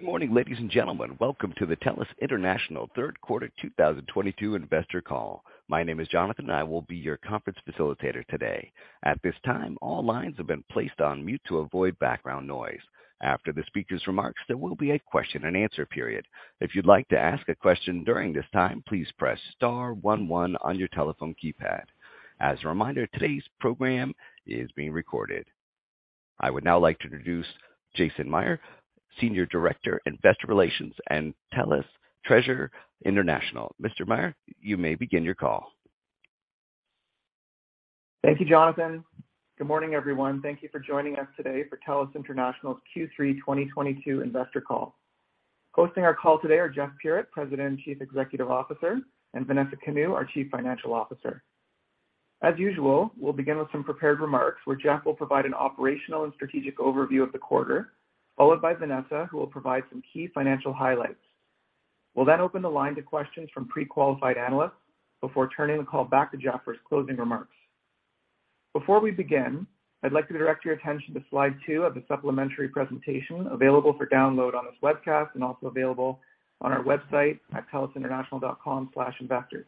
Good morning, ladies and gentlemen. Welcome to the TELUS International Third Quarter 2022 investor call. My name is Jonathan, and I will be your conference facilitator today. At this time, all lines have been placed on mute to avoid background noise. After the speaker's remarks, there will be a question-and-answer period. If you'd like to ask a question during this time, please press star one one on your telephone keypad. As a reminder, today's program is being recorded. I would now like to introduce Jason Mayr, Senior Director, Investor Relations and Treasurer, TELUS International. Mr. Mayr, you may begin your call. Thank you, Jonathan. Good morning, everyone. Thank you for joining us today for TELUS International's Q3 2022 investor call. Hosting our call today are Jeff Puritt, President and Chief Executive Officer, and Vanessa Kanu, our Chief Financial Officer. As usual, we'll begin with some prepared remarks where Jeff will provide an operational and strategic overview of the quarter, followed by Vanessa, who will provide some key financial highlights. We'll then open the line to questions from pre-qualified analysts before turning the call back to Jeff for his closing remarks. Before we begin, I'd like to direct your attention to slide two of the supplementary presentation available for download on this webcast and also available on our website at telusinternational.com/investor.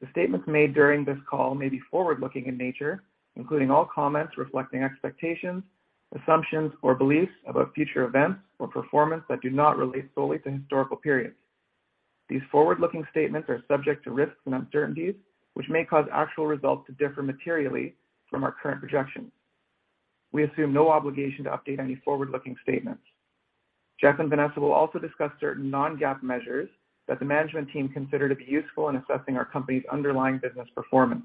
The statements made during this call may be forward-looking in nature, including all comments reflecting expectations, assumptions, or beliefs about future events or performance that do not relate solely to historical periods. These forward-looking statements are subject to risks and uncertainties, which may cause actual results to differ materially from our current projections. We assume no obligation to update any forward-looking statements. Jeff and Vanessa will also discuss certain non-GAAP measures that the management team consider to be useful in assessing our company's underlying business performance.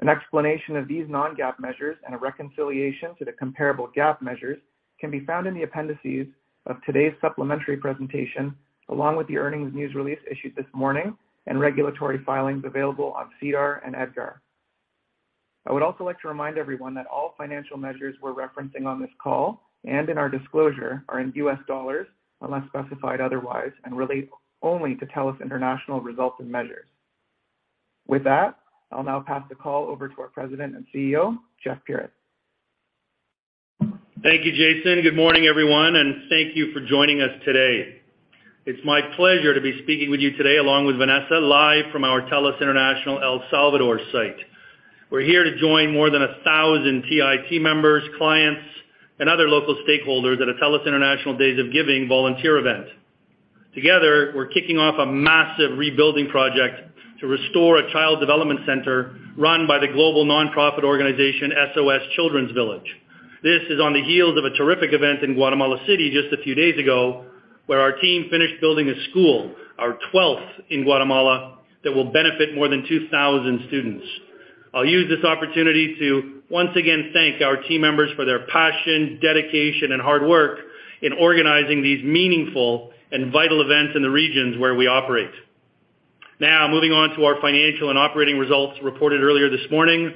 An explanation of these non-GAAP measures and a reconciliation to the comparable GAAP measures can be found in the appendices of today's supplementary presentation, along with the earnings news release issued this morning and regulatory filings available on SEDAR and EDGAR. I would also like to remind everyone that all financial measures we're referencing on this call and in our disclosure are in U.S. dollars unless specified otherwise and relate only to TELUS International results and measures. With that, I'll now pass the call over to our President and CEO, Jeff Puritt. Thank you, Jason. Good morning, everyone, and thank you for joining us today. It's my pleasure to be speaking with you today along with Vanessa live from our TELUS International El Salvador site. We're here to join more than 1,000 TI team members, clients, and other local stakeholders at a TELUS International Days of Giving volunteer event. Together, we're kicking off a massive rebuilding project to restore a child development center run by the global nonprofit organization, SOS Children's Villages. This is on the heels of a terrific event in Guatemala City just a few days ago, where our team finished building a school, our twelfth in Guatemala, that will benefit more than 2,000 students. I'll use this opportunity to once again thank our team members for their passion, dedication, and hard work in organizing these meaningful and vital events in the regions where we operate. Now, moving on to our financial and operating results reported earlier this morning.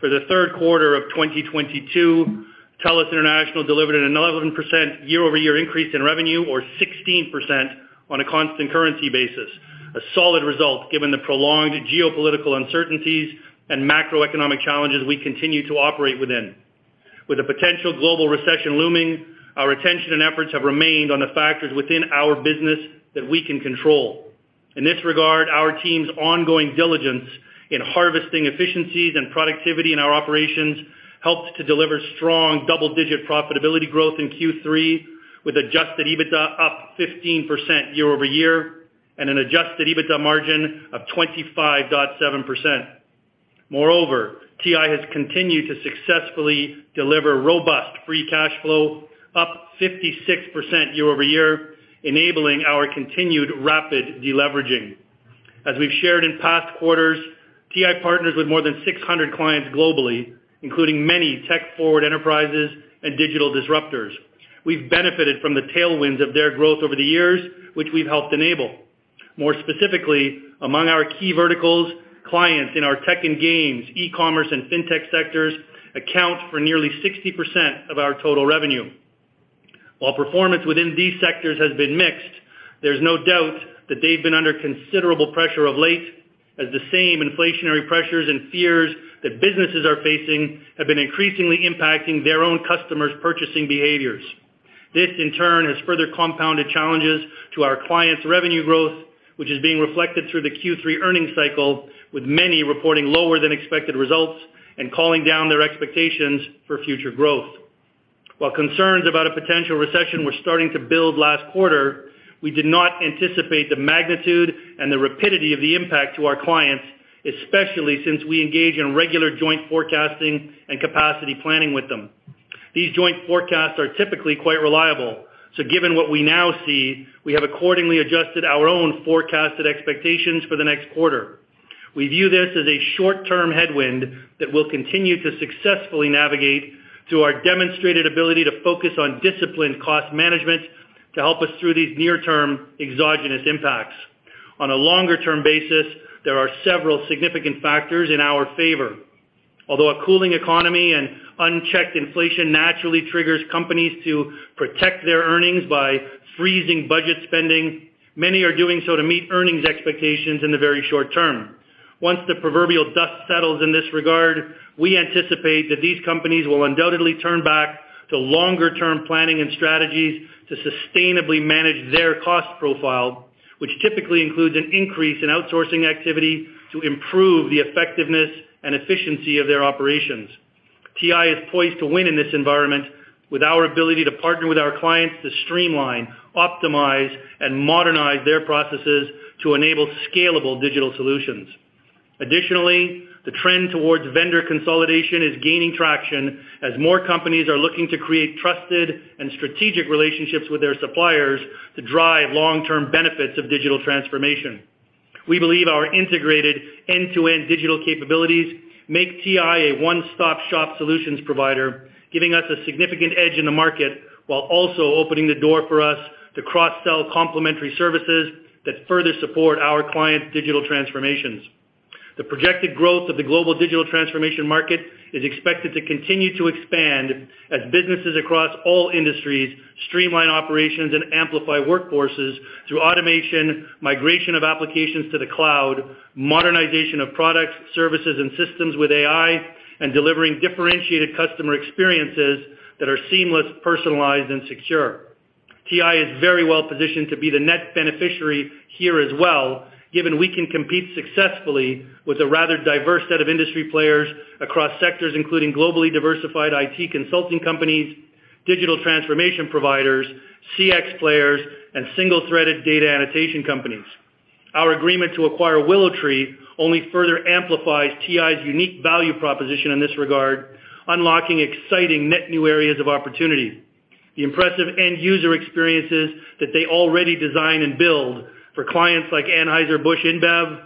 For the third quarter of 2022, TELUS International delivered an 11% year-over-year increase in revenue or 16% on a constant currency basis, a solid result given the prolonged geopolitical uncertainties and macroeconomic challenges we continue to operate within. With a potential global recession looming, our attention and efforts have remained on the factors within our business that we can control. In this regard, our team's ongoing diligence in harvesting efficiencies and productivity in our operations helped to deliver strong double-digit profitability growth in Q3, with adjusted EBITDA up 15% year-over-year and an adjusted EBITDA margin of 25.7%. Moreover, TI has continued to successfully deliver robust free cash flow, up 56% year-over-year, enabling our continued rapid deleveraging. As we've shared in past quarters, TI partners with more than 600 clients globally, including many tech-forward enterprises and digital disruptors. We've benefited from the tailwinds of their growth over the years, which we've helped enable. More specifically, among our key verticals, clients in our tech and games, e-commerce, and fintech sectors account for nearly 60% of our total revenue. While performance within these sectors has been mixed, there's no doubt that they've been under considerable pressure of late as the same inflationary pressures and fears that businesses are facing have been increasingly impacting their own customers' purchasing behaviors. This, in turn, has further compounded challenges to our clients' revenue growth, which is being reflected through the Q3 earnings cycle, with many reporting lower than expected results and calling down their expectations for future growth. While concerns about a potential recession were starting to build last quarter, we did not anticipate the magnitude and the rapidity of the impact to our clients, especially since we engage in regular joint forecasting and capacity planning with them. These joint forecasts are typically quite reliable. Given what we now see, we have accordingly adjusted our own forecasted expectations for the next quarter. We view this as a short-term headwind that we'll continue to successfully navigate through our demonstrated ability to focus on disciplined cost management to help us through these near-term exogenous impacts. On a longer-term basis, there are several significant factors in our favor. Although a cooling economy and unchecked inflation naturally triggers companies to protect their earnings by freezing budget spending, many are doing so to meet earnings expectations in the very short term. Once the proverbial dust settles in this regard, we anticipate that these companies will undoubtedly turn back to longer-term planning and strategies to sustainably manage their cost profile, which typically includes an increase in outsourcing activity to improve the effectiveness and efficiency of their operations. TI is poised to win in this environment with our ability to partner with our clients to streamline, optimize, and modernize their processes to enable scalable digital solutions. Additionally, the trend towards vendor consolidation is gaining traction as more companies are looking to create trusted and strategic relationships with their suppliers to drive long-term benefits of digital transformation. We believe our integrated end-to-end digital capabilities make TI a one-stop-shop solutions provider, giving us a significant edge in the market while also opening the door for us to cross-sell complementary services that further support our clients' digital transformations. The projected growth of the global digital transformation market is expected to continue to expand as businesses across all industries streamline operations and amplify workforces through automation, migration of applications to the cloud, modernization of products, services, and systems with AI, and delivering differentiated customer experiences that are seamless, personalized, and secure. TI is very well-positioned to be the net beneficiary here as well, given we can compete successfully with a rather diverse set of industry players across sectors including globally diversified IT consulting companies, digital transformation providers, CX players, and single-threaded data annotation companies. Our agreement to acquire WillowTree only further amplifies TI's unique value proposition in this regard, unlocking exciting net new areas of opportunity. The impressive end-user experiences that they already design and build for clients like Anheuser-Busch InBev,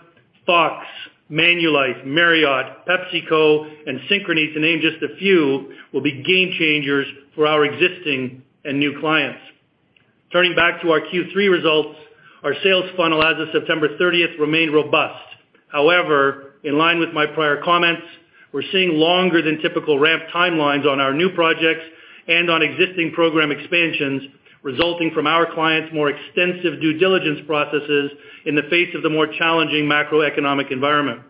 FOX, Manulife, Marriott, PepsiCo, and Synchrony, to name just a few, will be game-changers for our existing and new clients. Turning back to our Q3 results, our sales funnel as of September 30 remained robust. However, in line with my prior comments, we're seeing longer than typical ramp timelines on our new projects and on existing program expansions resulting from our clients' more extensive due diligence processes in the face of the more challenging macroeconomic environment.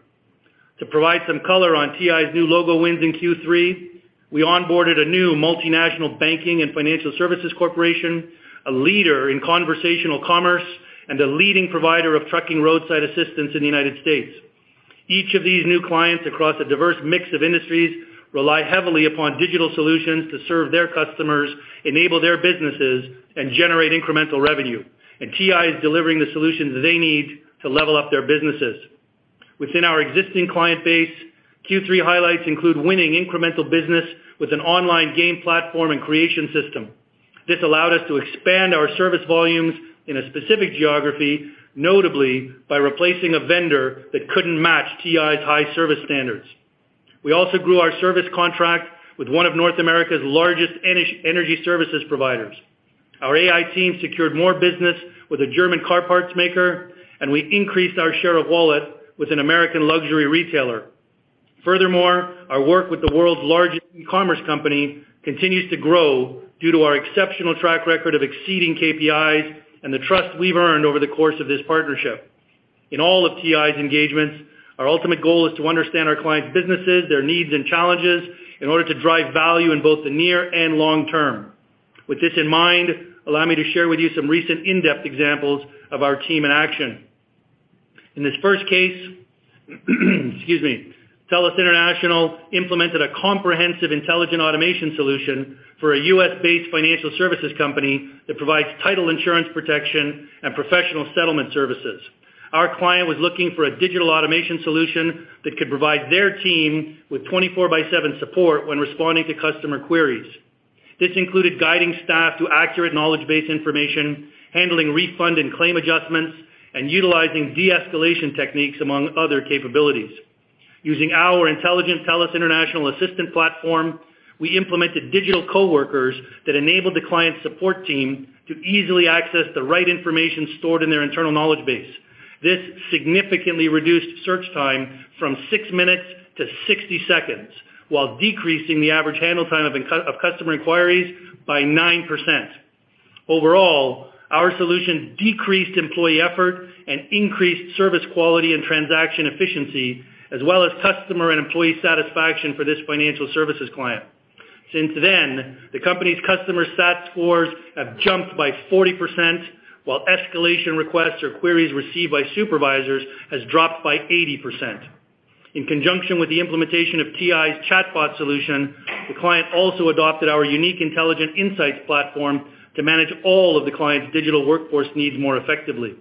To provide some color on TI's new logo wins in Q3, we onboarded a new multinational banking and financial services corporation, a leader in conversational commerce, and a leading provider of trucking roadside assistance in the United States. Each of these new clients across a diverse mix of industries rely heavily upon digital solutions to serve their customers, enable their businesses, and generate incremental revenue, and TI is delivering the solutions they need to level up their businesses. Within our existing client base, Q3 highlights include winning incremental business with an online game platform and creation system. This allowed us to expand our service volumes in a specific geography, notably by replacing a vendor that couldn't match TI's high service standards. We also grew our service contract with one of North America's largest energy services providers. Our AI team secured more business with a German car parts maker, and we increased our share of wallet with an American luxury retailer. Furthermore, our work with the world's largest e-commerce company continues to grow due to our exceptional track record of exceeding KPIs and the trust we've earned over the course of this partnership. In all of TI's engagements, our ultimate goal is to understand our clients' businesses, their needs, and challenges in order to drive value in both the near and long term. With this in mind, allow me to share with you some recent in-depth examples of our team in action. In this first case, excuse me, TELUS International implemented a comprehensive intelligent automation solution for a U.S.-based financial services company that provides title insurance protection and professional settlement services. Our client was looking for a digital automation solution that could provide their team with 24/7 support when responding to customer queries. This included guiding staff to accurate knowledge base information, handling refund and claim adjustments, and utilizing de-escalation techniques, among other capabilities. Using our intelligent TELUS International Assistant platform, we implemented digital coworkers that enabled the client's support team to easily access the right information stored in their internal knowledge base. This significantly reduced search time from six minutes to 60 seconds while decreasing the average handle time of incoming customer inquiries by 9%. Overall, our solution decreased employee effort and increased service quality and transaction efficiency as well as customer and employee satisfaction for this financial services client. Since then, the company's customer CSAT scores have jumped by 40%, while escalation requests or queries received by supervisors has dropped by 80%. In conjunction with the implementation of TI's chatbot solution, the client also adopted our unique Intelligent Insights platform to manage all of the client's digital workforce needs more effectively.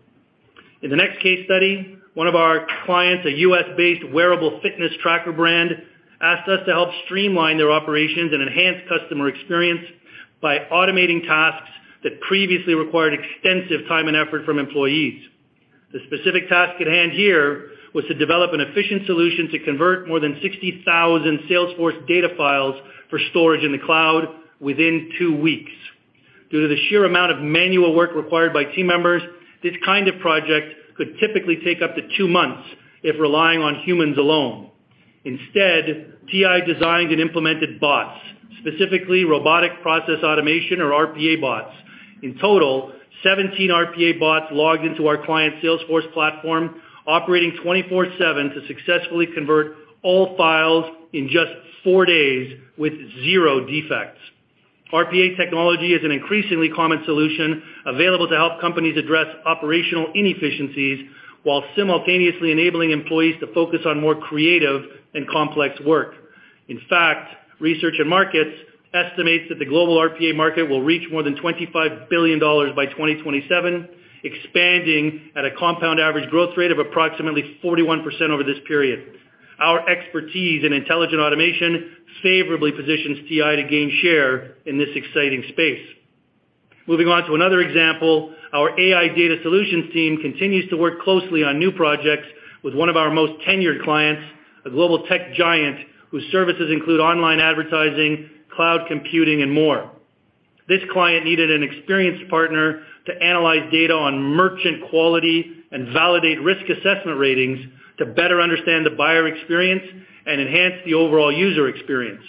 In the next case study, one of our clients, a U.S.-based wearable fitness tracker brand, asked us to help streamline their operations and enhance customer experience by automating tasks that previously required extensive time and effort from employees. The specific task at hand here was to develop an efficient solution to convert more than 60,000 Salesforce data files for storage in the cloud within two weeks. Due to the sheer amount of manual work required by team members, this kind of project could typically take up to two months if relying on humans alone. Instead, TI designed and implemented bots, specifically robotic process automation or RPA bots. In total, 17 RPA bots logged into our client's Salesforce platform, operating 24/7 to successfully convert all files in just four days with zero defects. RPA technology is an increasingly common solution available to help companies address operational inefficiencies while simultaneously enabling employees to focus on more creative and complex work. In fact, Research and Markets estimates that the global RPA market will reach more than $25 billion by 2027, expanding at a compound average growth rate of approximately 41% over this period. Our expertise in intelligent automation favorably positions TI to gain share in this exciting space. Moving on to another example, our AI data solutions team continues to work closely on new projects with one of our most tenured clients, a global tech giant whose services include online advertising, cloud computing, and more. This client needed an experienced partner to analyze data on merchant quality and validate risk assessment ratings to better understand the buyer experience and enhance the overall user experience.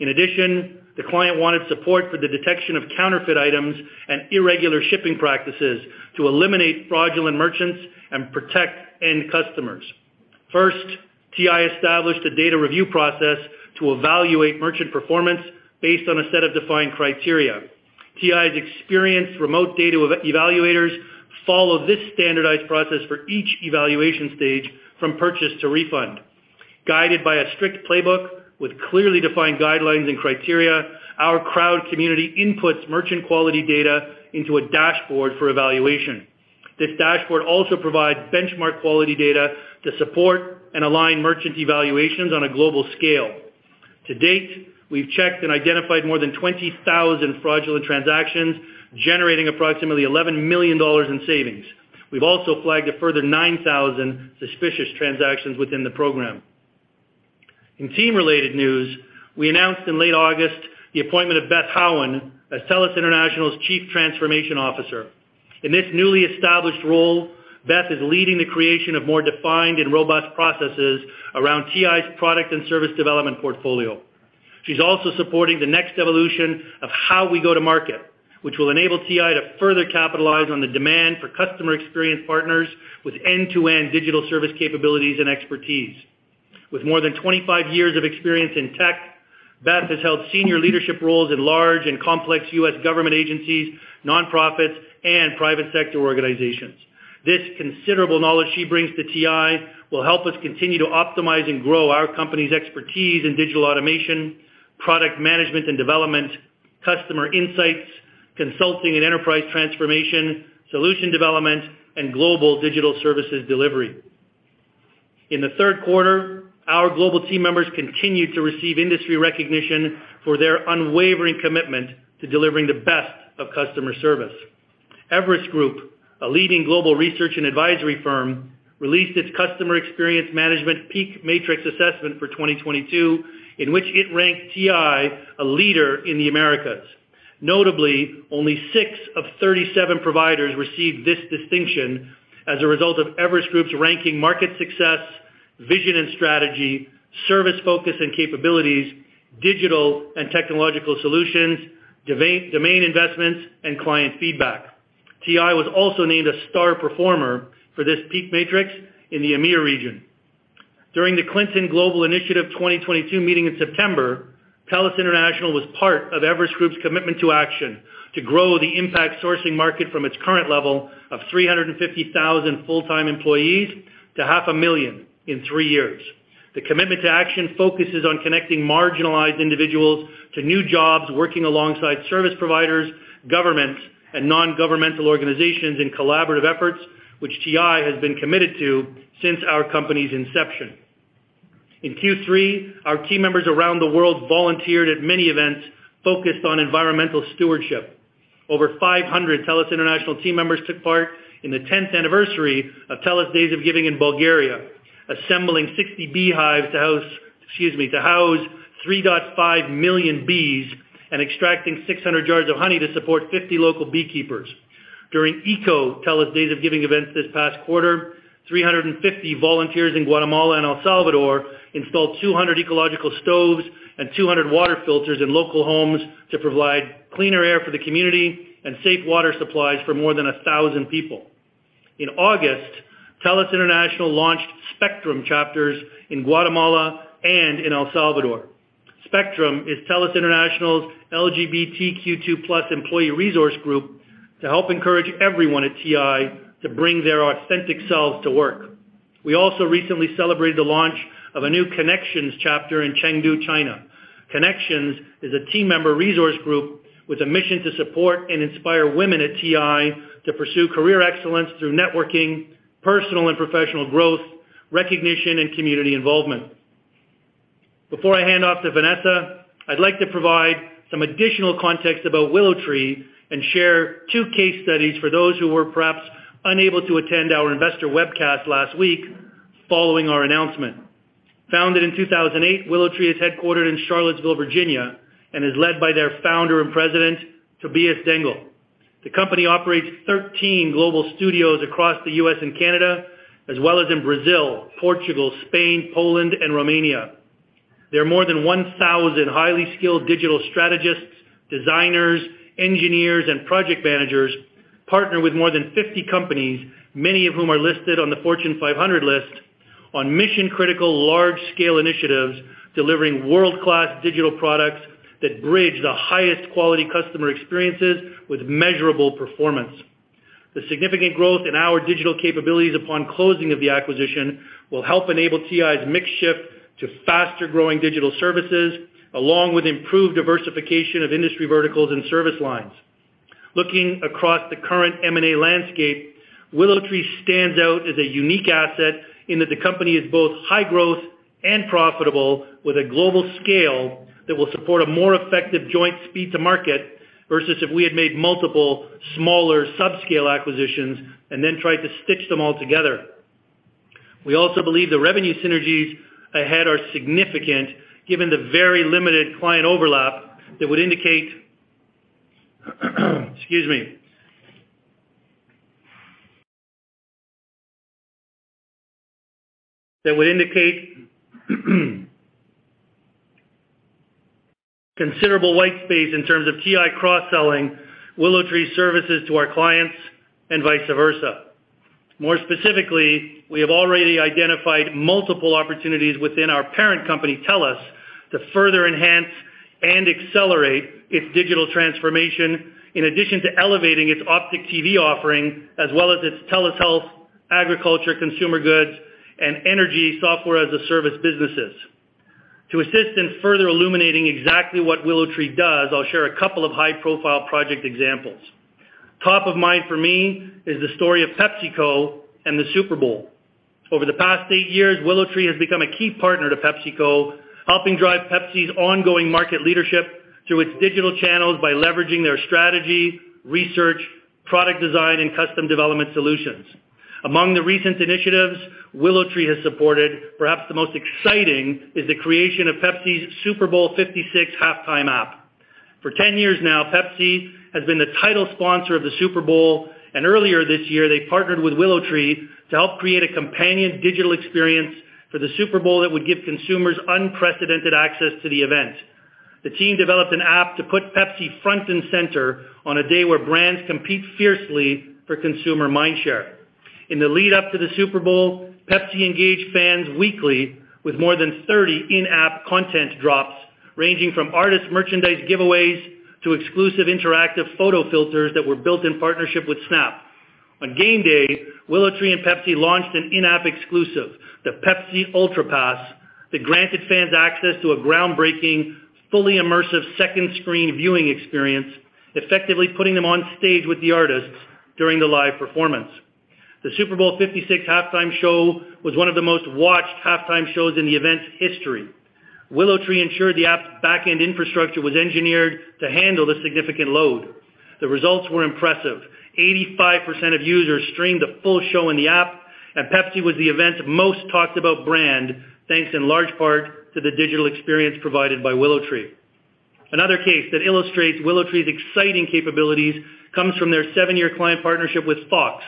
In addition, the client wanted support for the detection of counterfeit items and irregular shipping practices to eliminate fraudulent merchants and protect end customers. First, TI established a data review process to evaluate merchant performance based on a set of defined criteria. TI's experienced remote data evaluators follow this standardized process for each evaluation stage from purchase to refund. Guided by a strict playbook with clearly defined guidelines and criteria, our crowd community inputs merchant quality data into a dashboard for evaluation. This dashboard also provides benchmark quality data to support and align merchant evaluations on a global scale. To date, we've checked and identified more than 20,000 fraudulent transactions, generating approximately $11 million in savings. We've also flagged a further 9,000 suspicious transactions within the program. In team-related news, we announced in late August the appointment of Beth Howland as TELUS International's Chief Transformation Officer. In this newly established role, Beth is leading the creation of more defined and robust processes around TI's product and service development portfolio. She's also supporting the next evolution of how we go to market, which will enable TI to further capitalize on the demand for customer experience partners with end-to-end digital service capabilities and expertise. With more than 25 years of experience in tech, Beth has held senior leadership roles in large and complex U.S. government agencies, nonprofits, and private sector organizations. This considerable knowledge she brings to TI will help us continue to optimize and grow our company's expertise in digital automation, product management and development, customer insights, consulting and enterprise transformation, solution development, and global digital services delivery. In the third quarter, our global team members continued to receive industry recognition for their unwavering commitment to delivering the best of customer service. Everest Group, a leading global research and advisory firm, released its customer experience management PEAK Matrix assessment for 2022, in which it ranked TI a leader in the Americas. Notably, only six of 37 providers received this distinction as a result of Everest Group's rankings, market success, vision and strategy, service focus and capabilities, digital and technological solutions, domain investments, and client feedback. TI was also named a star performer for this PEAK Matrix in the EMEA region. During the Clinton Global Initiative 2022 meeting in September, TELUS International was part of Everest Group's commitment to action to grow the impact sourcing market from its current level of 350,000 full-time employees to 500,000 in three years. The commitment to action focuses on connecting marginalized individuals to new jobs, working alongside service providers, governments, and non-governmental organizations in collaborative efforts which TI has been committed to since our company's inception. In Q3, our team members around the world volunteered at many events focused on environmental stewardship. Over 500 TELUS International team members took part in the 10th anniversary of TELUS Days of Giving in Bulgaria, assembling 60 beehives to house 3.5 million bees and extracting 600 jars of honey to support 50 local beekeepers. During Eco TELUS Days of Giving events this past quarter, 350 volunteers in Guatemala and El Salvador installed 200 ecological stoves and 200 water filters in local homes to provide cleaner air for the community and safe water supplies for more than 1,000 people. In August, TELUS International launched Spectrum chapters in Guatemala and in El Salvador. Spectrum is TELUS International's LGBTQ2+ employee resource group to help encourage everyone at TI to bring their authentic selves to work. We also recently celebrated the launch of a new Connections chapter in Chengdu, China. Connections is a team member resource group with a mission to support and inspire women at TI to pursue career excellence through networking, personal and professional growth, recognition, and community involvement. Before I hand off to Vanessa, I'd like to provide some additional context about WillowTree and share two case studies for those who were perhaps unable to attend our investor webcast last week following our announcement. Founded in 2008, WillowTree is headquartered in Charlottesville, Virginia, and is led by their founder and president, Tobias Dengel. The company operates 13 global studios across the U.S. and Canada, as well as in Brazil, Portugal, Spain, Poland and Romania. There are more than 1,000 highly skilled digital strategists, designers, engineers and project managers partner with more than 50 companies, many of whom are listed on the Fortune 500 list on mission critical large scale initiatives, delivering world class digital products that bridge the highest quality customer experiences with measurable performance. The significant growth in our digital capabilities upon closing of the acquisition will help enable TI's mix shift to faster growing digital services, along with improved diversification of industry verticals and service lines. Looking across the current M&A landscape, WillowTree stands out as a unique asset in that the company is both high growth and profitable, with a global scale that will support a more effective joint speed to market versus if we had made multiple smaller subscale acquisitions and then tried to stitch them all together. We also believe the revenue synergies ahead are significant given the very limited client overlap that would indicate, excuse me, considerable white space in terms of TI cross-selling WillowTree services to our clients and vice versa. More specifically, we have already identified multiple opportunities within our parent company, TELUS, to further enhance and accelerate its digital transformation, in addition to elevating its Optik TV offering, as well as its telehealth, agriculture, consumer goods and energy software as a service businesses. To assist in further illuminating exactly what WillowTree does, I'll share a couple of high-profile project examples. Top of mind for me is the story of PepsiCo and the Super Bowl. Over the past eight years, WillowTree has become a key partner to PepsiCo, helping drive Pepsi's ongoing market leadership through its digital channels by leveraging their strategy, research, product design and custom development solutions. Among the recent initiatives WillowTree has supported, perhaps the most exciting is the creation of Pepsi's Super Bowl 56 halftime app. For 10 years now, Pepsi has been the title sponsor of the Super Bowl, and earlier this year they partnered with WillowTree to help create a companion digital experience for the Super Bowl that would give consumers unprecedented access to the event. The team developed an app to put Pepsi front and center on a day where brands compete fiercely for consumer mindshare. In the lead-up to the Super Bowl, Pepsi engaged fans weekly with more than 30 in-app content drops, ranging from artist merchandise giveaways to exclusive interactive photo filters that were built in partnership with Snap. On game day, WillowTree and Pepsi launched an in-app exclusive, the Pepsi Ultra Pass, that granted fans access to a groundbreaking, fully immersive second screen viewing experience, effectively putting them on stage with the artists during the live performance. The Super Bowl 56 halftime show was one of the most watched halftime shows in the event's history. WillowTree ensured the app's back end infrastructure was engineered to handle the significant load. The results were impressive. 85% of users streamed the full show in the app, and Pepsi was the event's most talked about brand, thanks in large part to the digital experience provided by WillowTree. Another case that illustrates WillowTree's exciting capabilities comes from their seven-year client partnership with Fox,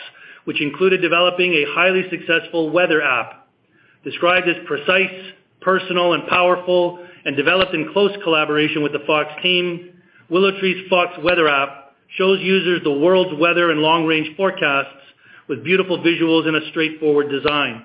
which included developing a highly successful weather app. Described as precise, personal and powerful, and developed in close collaboration with the Fox team, WillowTree's FOX Weather app shows users the world's weather and long range forecasts with beautiful visuals and a straightforward design.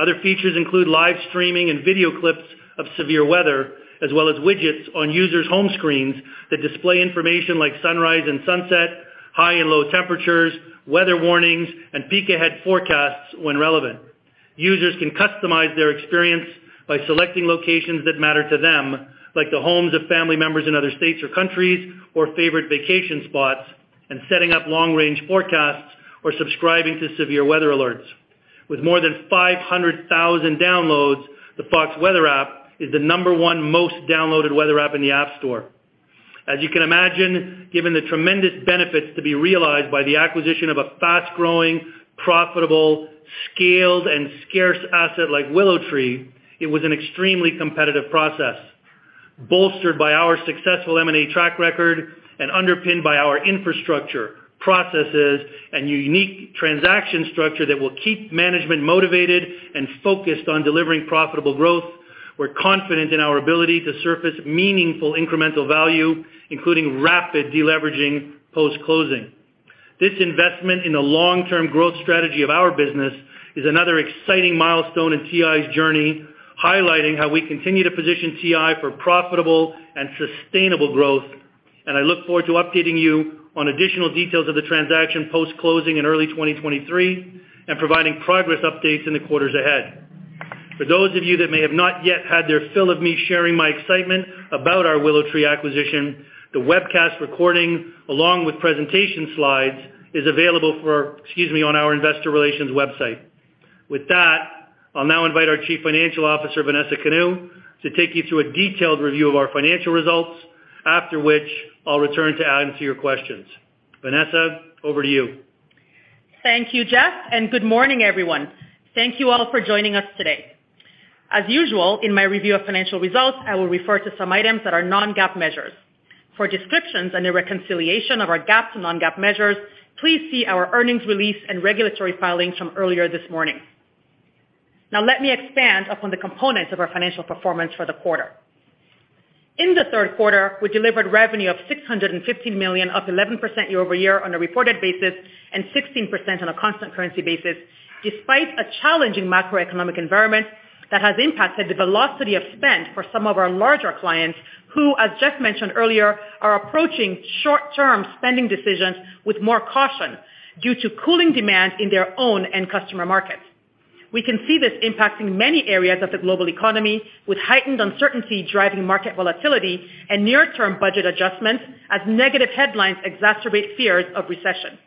Other features include live streaming and video clips of severe weather, as well as widgets on users' home screens that display information like sunrise and sunset, high and low temperatures, weather warnings and peek ahead forecasts when relevant. Users can customize their experience by selecting locations that matter to them, like the homes of family members in other states or countries, or favorite vacation spots, and setting up long range forecasts or subscribing to severe weather alerts. With more than 500,000 downloads, the FOX Weather app is the number one most downloaded weather app in the App Store. As you can imagine, given the tremendous benefits to be realized by the acquisition of a fast growing, profitable, scaled and scarce asset like WillowTree, it was an extremely competitive process. Bolstered by our successful M&A track record and underpinned by our infrastructure, processes and unique transaction structure that will keep management motivated and focused on delivering profitable growth, we're confident in our ability to surface meaningful incremental value, including rapid deleveraging post closing. This investment in the long term growth strategy of our business is another exciting milestone in TI's journey, highlighting how we continue to position TI for profitable and sustainable growth. I look forward to updating you on additional details of the transaction post closing in early 2023 and providing progress updates in the quarters ahead. For those of you that may have not yet had their fill of me sharing my excitement about our WillowTree acquisition, the webcast recording along with presentation slides is available on our investor relations website. With that, I'll now invite our Chief Financial Officer, Vanessa Kanu, to take you through a detailed review of our financial results. After which I'll return to answering your questions. Vanessa, over to you. Thank you, Jeff, and good morning, everyone. Thank you all for joining us today. As usual, in my review of financial results, I will refer to some items that are non-GAAP measures. For descriptions and a reconciliation of our GAAP to non-GAAP measures, please see our earnings release and regulatory filings from earlier this morning. Now let me expand upon the components of our financial performance for the quarter. In the third quarter, we delivered revenue of $615 million, up 11% year over year on a reported basis and 16% on a constant currency basis, despite a challenging macroeconomic environment that has impacted the velocity of spend for some of our larger clients who, as Jeff mentioned earlier, are approaching short-term spending decisions with more caution due to cooling demand in their own end customer markets. We can see this impacting many areas of the global economy with heightened uncertainty driving market volatility and near-term budget adjustments as negative headlines exacerbate fears of recession.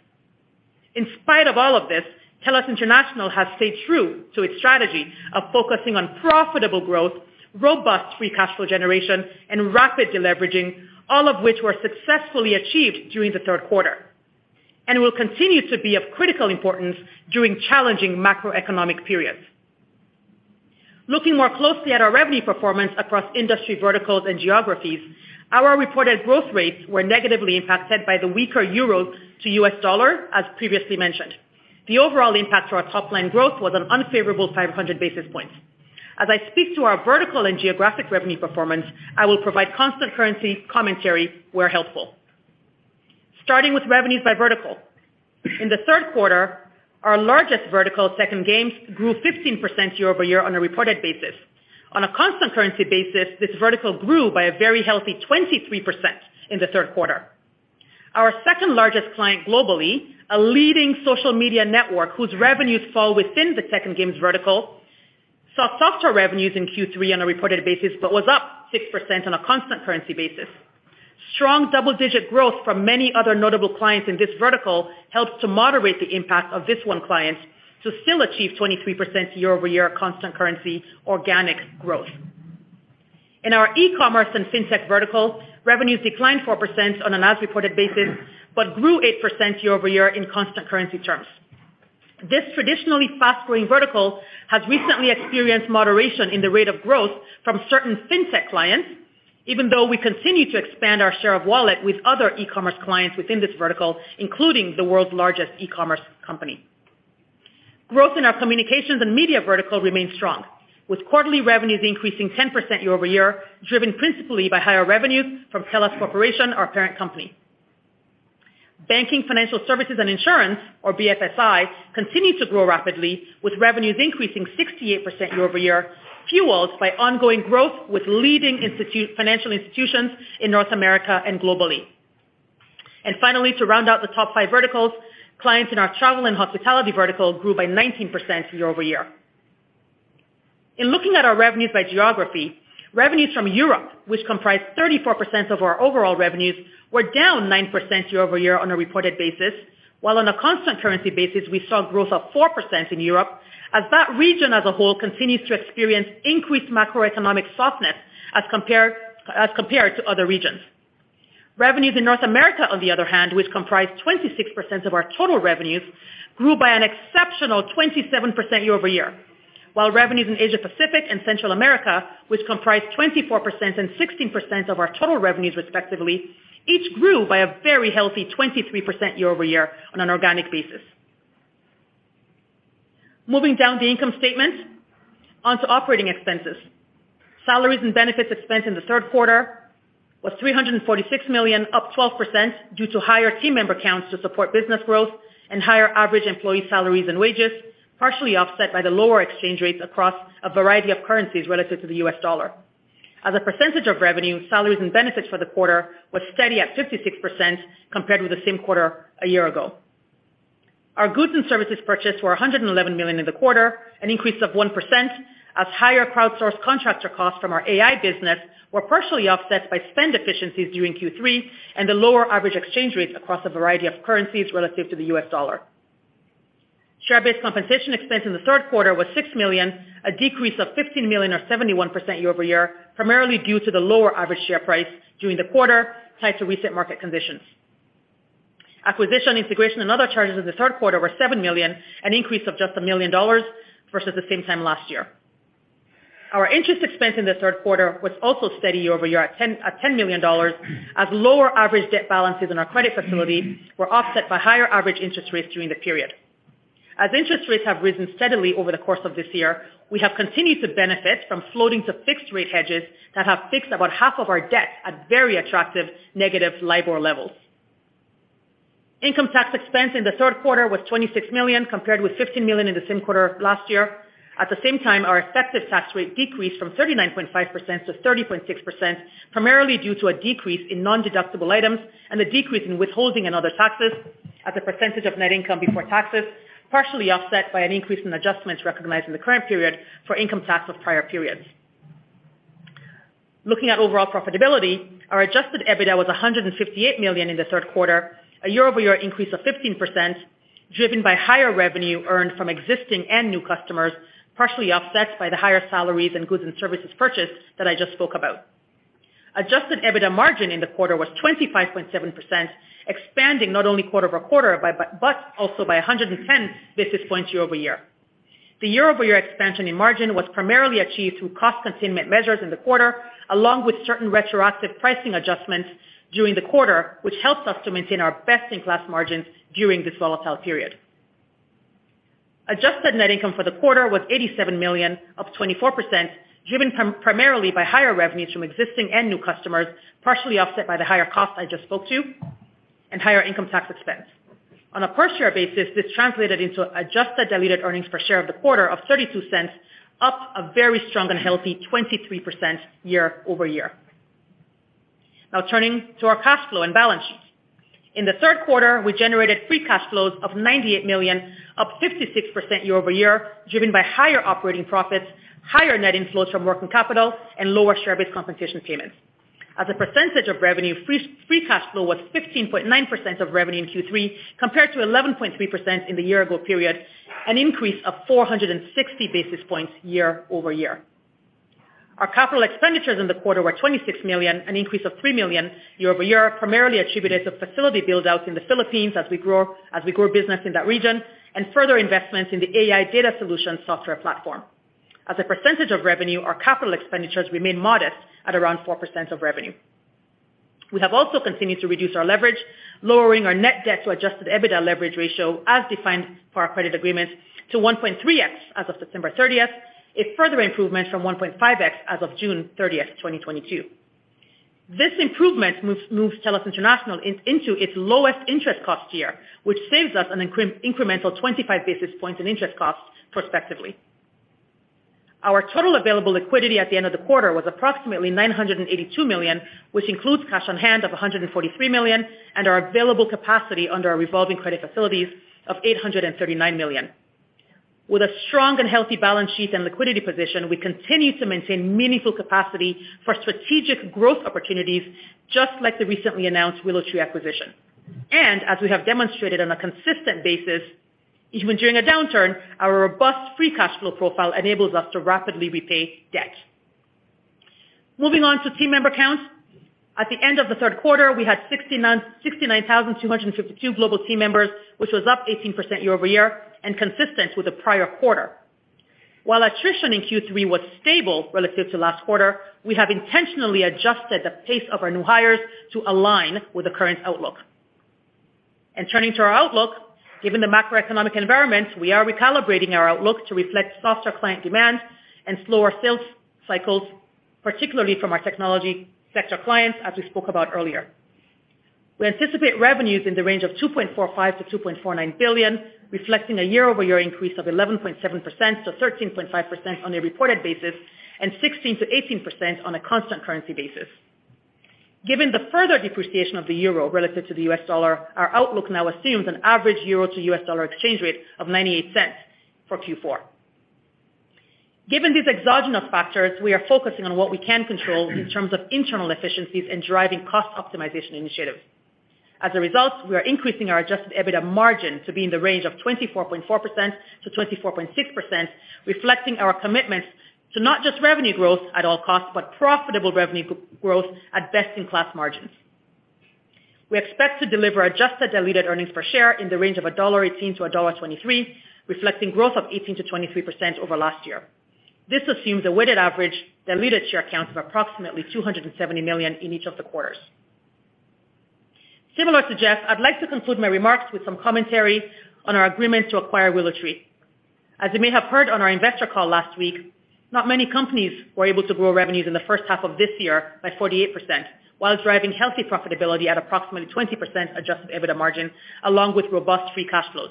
In spite of all of this, TELUS International has stayed true to its strategy of focusing on profitable growth, robust free cash flow generation, and rapid deleveraging, all of which were successfully achieved during the third quarter and will continue to be of critical importance during challenging macroeconomic periods. Looking more closely at our revenue performance across industry verticals and geographies, our reported growth rates were negatively impacted by the weaker euro to U.S. dollar, as previously mentioned. The overall impact to our top line growth was an unfavorable 500 basis points. As I speak to our vertical and geographic revenue performance, I will provide constant currency commentary where helpful. Starting with revenues by vertical. In the third quarter, our largest vertical, tech and games, grew 15% year-over-year on a reported basis. On a constant currency basis, this vertical grew by a very healthy 23% in the third quarter. Our second-largest client globally, a leading social media network whose revenues fall within the tech and games vertical, saw softer revenues in Q3 on a reported basis but was up 6% on a constant currency basis. Strong double-digit growth from many other notable clients in this vertical helped to moderate the impact of this one client to still achieve 23% year-over-year constant currency organic growth. In our e-commerce and fintech vertical, revenues declined 4% on an as-reported basis but grew 8% year-over-year in constant currency terms. This traditionally fast-growing vertical has recently experienced moderation in the rate of growth from certain fintech clients, even though we continue to expand our share of wallet with other e-commerce clients within this vertical, including the world's largest e-commerce company. Growth in our communications and media vertical remains strong, with quarterly revenues increasing 10% year-over-year, driven principally by higher revenues from TELUS Corporation, our parent company. Banking, financial services and insurance, or BFSI, continued to grow rapidly, with revenues increasing 68% year-over-year, fueled by ongoing growth with leading financial institutions in North America and globally. Finally, to round out the top five verticals, clients in our travel and hospitality vertical grew by 19% year-over-year. In looking at our revenues by geography, revenues from Europe, which comprise 34% of our overall revenues, were down 9% year-over-year on a reported basis, while on a constant currency basis, we saw growth of 4% in Europe as that region as a whole continues to experience increased macroeconomic softness as compared to other regions. Revenues in North America, on the other hand, which comprise 26% of our total revenues, grew by an exceptional 27% year-over-year, while revenues in Asia Pacific and Central America, which comprise 24% and 16% of our total revenues respectively, each grew by a very healthy 23% year-over-year on an organic basis. Moving down the income statement onto operating expenses. Salaries and benefits expense in the third quarter was $346 million, up 12% due to higher team member counts to support business growth and higher average employee salaries and wages, partially offset by the lower exchange rates across a variety of currencies relative to the U.S. dollar. As a percentage of revenue, salaries and benefits for the quarter was steady at 56% compared with the same quarter a year ago. Our goods and services purchased were $111 million in the quarter, an increase of 1% as higher crowdsourced contractor costs from our AI business were partially offset by spend efficiencies during Q3 and the lower average exchange rates across a variety of currencies relative to the U.S. dollar. Share-based compensation expense in the third quarter was $6 million, a decrease of $15 million or 71% year-over-year, primarily due to the lower average share price during the quarter tied to recent market conditions. Acquisition, integration, and other charges in the third quarter were $7 million, an increase of just $1 million versus the same time last year. Our interest expense in the third quarter was also steady year-over-year at $10 million as lower average debt balances in our credit facility were offset by higher average interest rates during the period. As interest rates have risen steadily over the course of this year, we have continued to benefit from floating to fixed rate hedges that have fixed about half of our debt at very attractive negative LIBOR levels. Income tax expense in the third quarter was $26 million, compared with $15 million in the same quarter last year. At the same time, our effective tax rate decreased from 39.5% to 30.6%, primarily due to a decrease in nondeductible items and a decrease in withholding and other taxes as a percentage of net income before taxes, partially offset by an increase in adjustments recognized in the current period for income tax of prior periods. Looking at overall profitability, our adjusted EBITDA was $158 million in the third quarter, a year-over-year increase of 15%, driven by higher revenue earned from existing and new customers, partially offset by the higher salaries and goods and services purchased that I just spoke about. Adjusted EBITDA margin in the quarter was 25.7%, expanding not only quarter-over-quarter but also by 110 basis points year-over-year. The year-over-year expansion in margin was primarily achieved through cost containment measures in the quarter, along with certain retroactive pricing adjustments during the quarter, which helped us to maintain our best-in-class margins during this volatile period. Adjusted net income for the quarter was $87 million, up 24%, driven primarily by higher revenues from existing and new customers, partially offset by the higher costs I just spoke to and higher income tax expense. On a per-share basis, this translated into adjusted diluted earnings per share of the quarter of $0.32, up a very strong and healthy 23% year-over-year. Now turning to our cash flow and balance sheet. In the third quarter, we generated free cash flow of $98 million, up 56% year-over-year, driven by higher operating profits, higher net inflows from working capital, and lower share-based compensation payments. As a percentage of revenue, free cash flow was 15.9% of revenue in Q3, compared to 11.3% in the year ago period, an increase of 460 basis points year-over-year. Our capital expenditures in the quarter were $26 million, an increase of $3 million year-over-year, primarily attributed to facility buildouts in the Philippines as we grow business in that region and further investments in the AI data solution software platform. As a percentage of revenue, our capital expenditures remain modest at around 4% of revenue. We have also continued to reduce our leverage, lowering our net debt to adjusted EBITDA leverage ratio as defined per our credit agreement to 1.3x as of September 30, a further improvement from 1.5x as of June 30, 2022. This improvement moves TELUS International into its lowest interest cost year, which saves us an incremental 25 basis points in interest costs prospectively. Our total available liquidity at the end of the quarter was approximately $982 million, which includes cash on hand of $143 million and our available capacity under our revolving credit facilities of $839 million. With a strong and healthy balance sheet and liquidity position, we continue to maintain meaningful capacity for strategic growth opportunities, just like the recently announced WillowTree acquisition. As we have demonstrated on a consistent basis, even during a downturn, our robust free cash flow profile enables us to rapidly repay debt. Moving on to team member count. At the end of the third quarter, we had 69,252 global team members, which was up 18% year-over-year and consistent with the prior quarter. While attrition in Q3 was stable relative to last quarter, we have intentionally adjusted the pace of our new hires to align with the current outlook. Turning to our outlook, given the macroeconomic environment, we are recalibrating our outlook to reflect softer client demand and slower sales cycles, particularly from our technology sector clients, as we spoke about earlier. We anticipate revenues in the range of $2.45 billion-$2.49 billion, reflecting a year-over-year increase of 11.7%-13.5% on a reported basis and 16%-18% on a constant currency basis. Given the further depreciation of the euro relative to the U.S. dollar, our outlook now assumes an average euro to U.S. dollar exchange rate of $0.98 for Q4. Given these exogenous factors, we are focusing on what we can control in terms of internal efficiencies and driving cost optimization initiatives. As a result, we are increasing our adjusted EBITDA margin to be in the range of 24.4%-24.6%, reflecting our commitment to not just revenue growth at all costs, but profitable revenue growth at best-in-class margins. We expect to deliver adjusted diluted earnings per share in the range of $1.18-$1.23, reflecting growth of 18%-23% over last year. This assumes a weighted average diluted share count of approximately 270 million in each of the quarters. Similar to Jeff, I'd like to conclude my remarks with some commentary on our agreement to acquire WillowTree. As you may have heard on our investor call last week, not many companies were able to grow revenues in the first half of this year by 48% while driving healthy profitability at approximately 20% adjusted EBITDA margin along with robust free cash flows.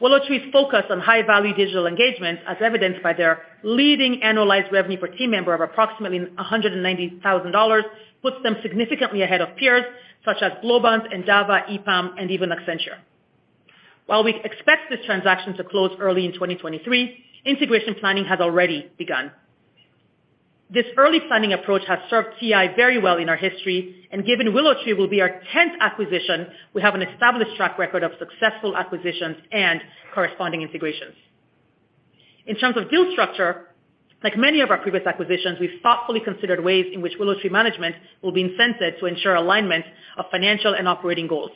WillowTree's focus on high-value digital engagement, as evidenced by their leading annualized revenue per team member of approximately $190,000, puts them significantly ahead of peers such as Globant, Endava, EPAM, and even Accenture. While we expect this transaction to close early in 2023, integration planning has already begun. This early planning approach has served TI very well in our history, and given WillowTree will be our tenth acquisition, we have an established track record of successful acquisitions and corresponding integrations. In terms of deal structure, like many of our previous acquisitions, we've thoughtfully considered ways in which WillowTree management will be incented to ensure alignment of financial and operating goals.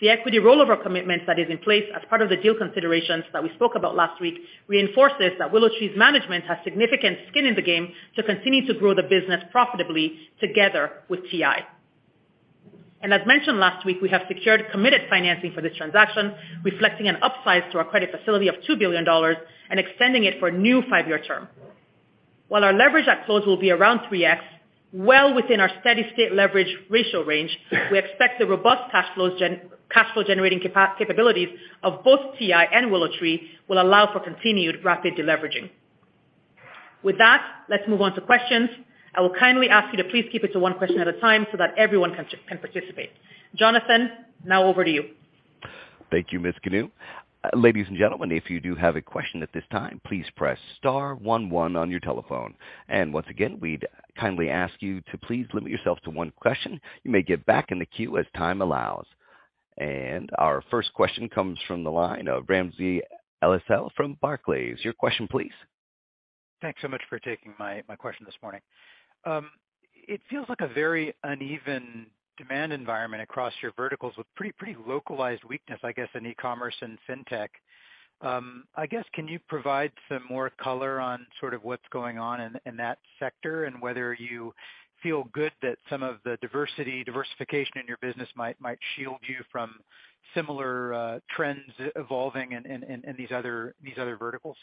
The equity rollover commitment that is in place as part of the deal considerations that we spoke about last week reinforces that WillowTree's management has significant skin in the game to continue to grow the business profitably together with TI. As mentioned last week, we have secured committed financing for this transaction, reflecting an upsize to our credit facility of $2 billion and extending it for a new five-year term. While our leverage at close will be around 3x, well within our steady state leverage ratio range, we expect the robust cash flows cash flow generating capabilities of both TI and WillowTree will allow for continued rapid deleveraging. With that, let's move on to questions. I will kindly ask you to please keep it to one question at a time so that everyone can participate. Jonathan, now over to you. Thank you, Ms. Kanu. Ladies and gentlemen, if you do have a question at this time, please press star one one on your telephone. And once again, we'd kindly ask you to please limit yourself to one question. You may get back in the queue as time allows. Our first question comes from the line of Ramsey El-Assal from Barclays. Your question please. Thanks so much for taking my question this morning. It feels like a very uneven demand environment across your verticals with pretty localized weakness, I guess, in e-commerce and fintech. I guess, can you provide some more color on sort of what's going on in that sector and whether you feel good that some of the diversity, diversification in your business might shield you from similar trends evolving in these other verticals?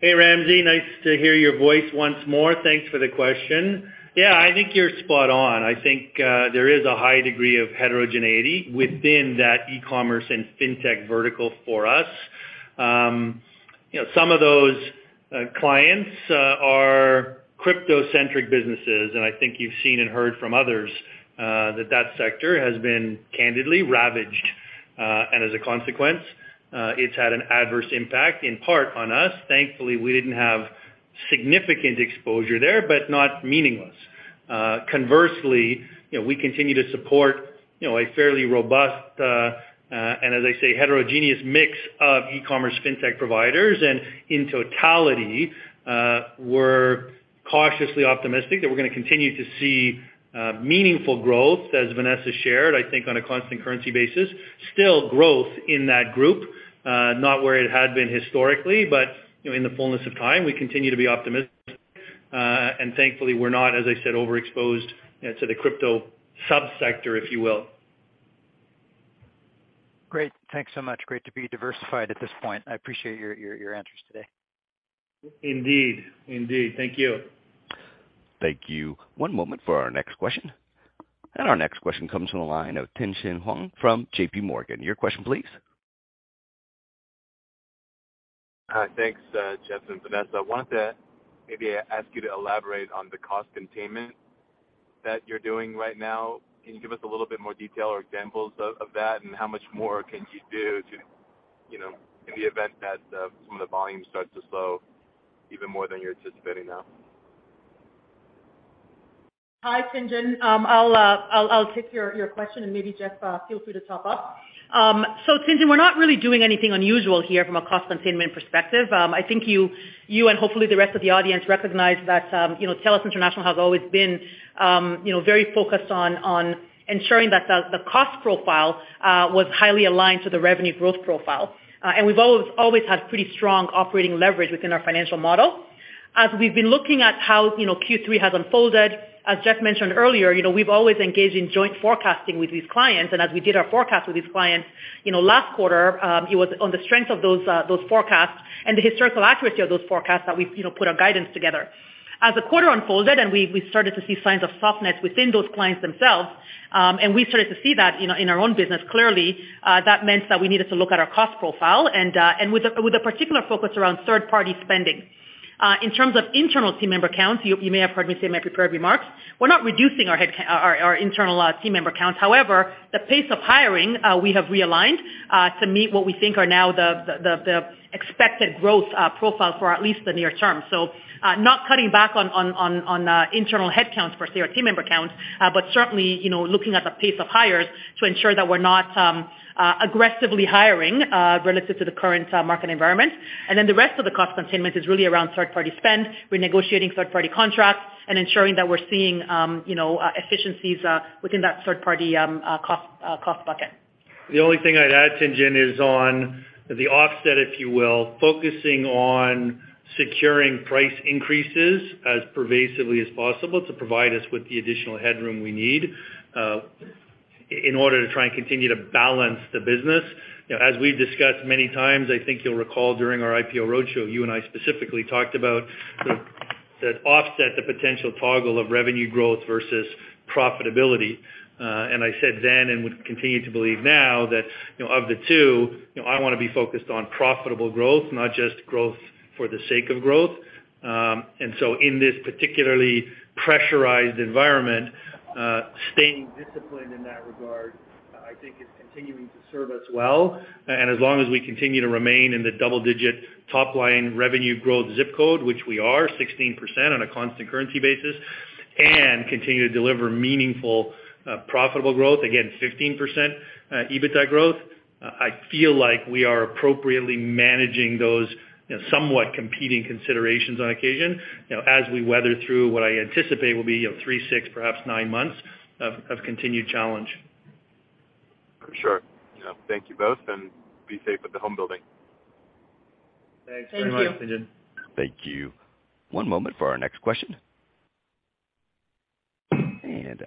Hey, Ramsey, nice to hear your voice once more. Thanks for the question. Yeah. I think you're spot on. I think there is a high degree of heterogeneity within that e-commerce and fintech vertical for us. You know, some of those clients are crypto-centric businesses, and I think you've seen and heard from others that that sector has been candidly ravaged. As a consequence, it's had an adverse impact in part on us. Thankfully, we didn't have significant exposure there, but not meaningless. Conversely, you know, we continue to support, you know, a fairly robust and as I say, heterogeneous mix of e-commerce fintech providers. In totality, we're cautiously optimistic that we're gonna continue to see meaningful growth, as Vanessa shared, I think on a constant currency basis. Still growth in that group, not where it had been historically, but, you know, in the fullness of time, we continue to be optimistic. Thankfully, we're not, as I said, overexposed, you know, to the crypto subsector, if you will. Great. Thanks so much. Great to be diversified at this point. I appreciate your answers today. Indeed. Thank you. Thank you. One moment for our next question. Our next question comes from the line of Tien-Tsin Huang from JPMorgan. Your question please. Hi. Thanks, Jeff and Vanessa. I wanted to maybe ask you to elaborate on the cost containment that you're doing right now. Can you give us a little bit more detail or examples of that, and how much more can you do to, you know, in the event that some of the volume starts to slow even more than you're anticipating now? Hi, Tien-Tsin Huang. I'll take your question and maybe Jeff, feel free to top up. So, Tien-Tsin Huang, we're not really doing anything unusual here from a cost containment perspective. I think you and hopefully the rest of the audience recognize that, you know, TELUS International has always been, you know, very focused on ensuring that the cost profile was highly aligned to the revenue growth profile. We've always had pretty strong operating leverage within our financial model. As we've been looking at how, you know, Q3 has unfolded, as Jeff mentioned earlier, you know, we've always engaged in joint forecasting with these clients. As we did our forecast with these clients, you know, last quarter, it was on the strength of those forecasts and the historical accuracy of those forecasts that we, you know, put our guidance together. As the quarter unfolded and we started to see signs of softness within those clients themselves, and we started to see that, you know, in our own business clearly, that meant that we needed to look at our cost profile and with a particular focus around third party spending. In terms of internal team member counts, you may have heard me say in my prepared remarks, we're not reducing our head count, our internal team member counts. However, the pace of hiring, we have realigned to meet what we think are now the expected growth profile for at least the near term. Not cutting back on internal headcounts per se or team member counts, but certainly, you know, looking at the pace of hires to ensure that we're not aggressively hiring relative to the current market environment. Then the rest of the cost containment is really around third party spend. We're negotiating third party contracts and ensuring that we're seeing, you know, efficiencies within that third party cost bucket. The only thing I'd add, Tien-Tsin Huang, is on the offset, if you will, focusing on securing price increases as pervasively as possible to provide us with the additional headroom we need, in order to try and continue to balance the business. You know, as we've discussed many times, I think you'll recall during our IPO roadshow, you and I specifically talked about the offset, the potential toggle of revenue growth versus profitability. And I said then, and would continue to believe now that, you know, of the two, you know, I wanna be focused on profitable growth, not just growth for the sake of growth. And so in this particularly pressurized environment, staying disciplined in that regard, I think is continuing to serve us well. As long as we continue to remain in the double-digit top line revenue growth zip code, which we are, 16% on a constant currency basis, and continue to deliver meaningful profitable growth, again, 15% EBITDA growth, I feel like we are appropriately managing those, you know, somewhat competing considerations on occasion, you know, as we weather through what I anticipate will be, you know, three, six, perhaps nine months of continued challenge. For sure. You know, thank you both, and be safe with the home building. Thank you. Thanks very much, Tien-Tsin. Thank you. One moment for our next question.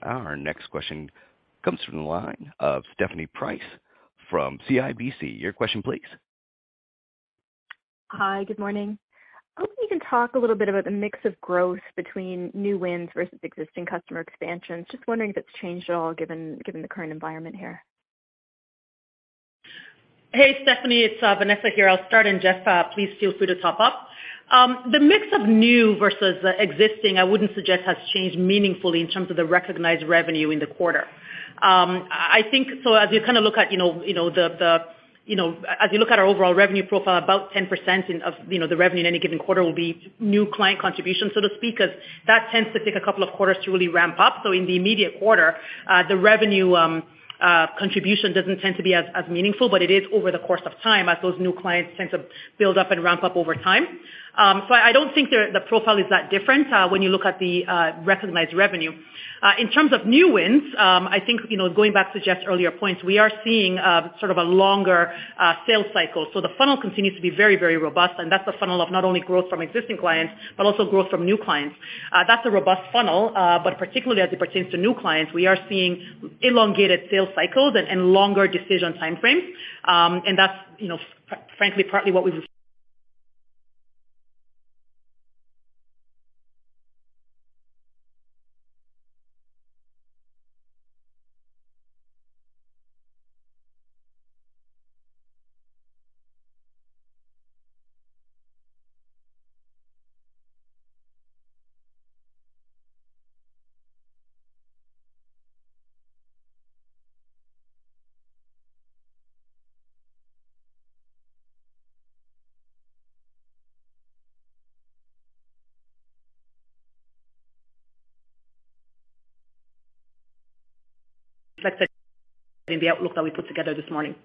Our next question comes from the line of Stephanie Price from CIBC. Your question please. Hi. Good morning. I was hoping you can talk a little bit about the mix of growth between new wins versus existing customer expansions. Just wondering if it's changed at all given the current environment here? Hey, Stephanie. It's Vanessa here. I'll start, and Jeff, please feel free to top up. The mix of new versus existing I wouldn't suggest has changed meaningfully in terms of the recognized revenue in the quarter. I think so as you kind of look at, you know, as you look at our overall revenue profile, about 10% of the revenue in any given quarter will be new client contributions, so to speak, 'cause that tends to take a couple of quarters to really ramp up. So in the immediate quarter, the revenue contribution doesn't tend to be as meaningful, but it is over the course of time as those new clients tend to build up and ramp up over time. I don't think the profile is that different when you look at the recognized revenue. In terms of new wins, I think, you know, going back to Jeff's earlier points, we are seeing sort of a longer sales cycle. The funnel continues to be very, very robust, and that's the funnel of not only growth from existing clients, but also growth from new clients. That's a robust funnel, but particularly as it pertains to new clients, we are seeing elongated sales cycles and longer decision time frames. That's, you know, frankly, partly what we've reflected in the outlook that we put together this morning.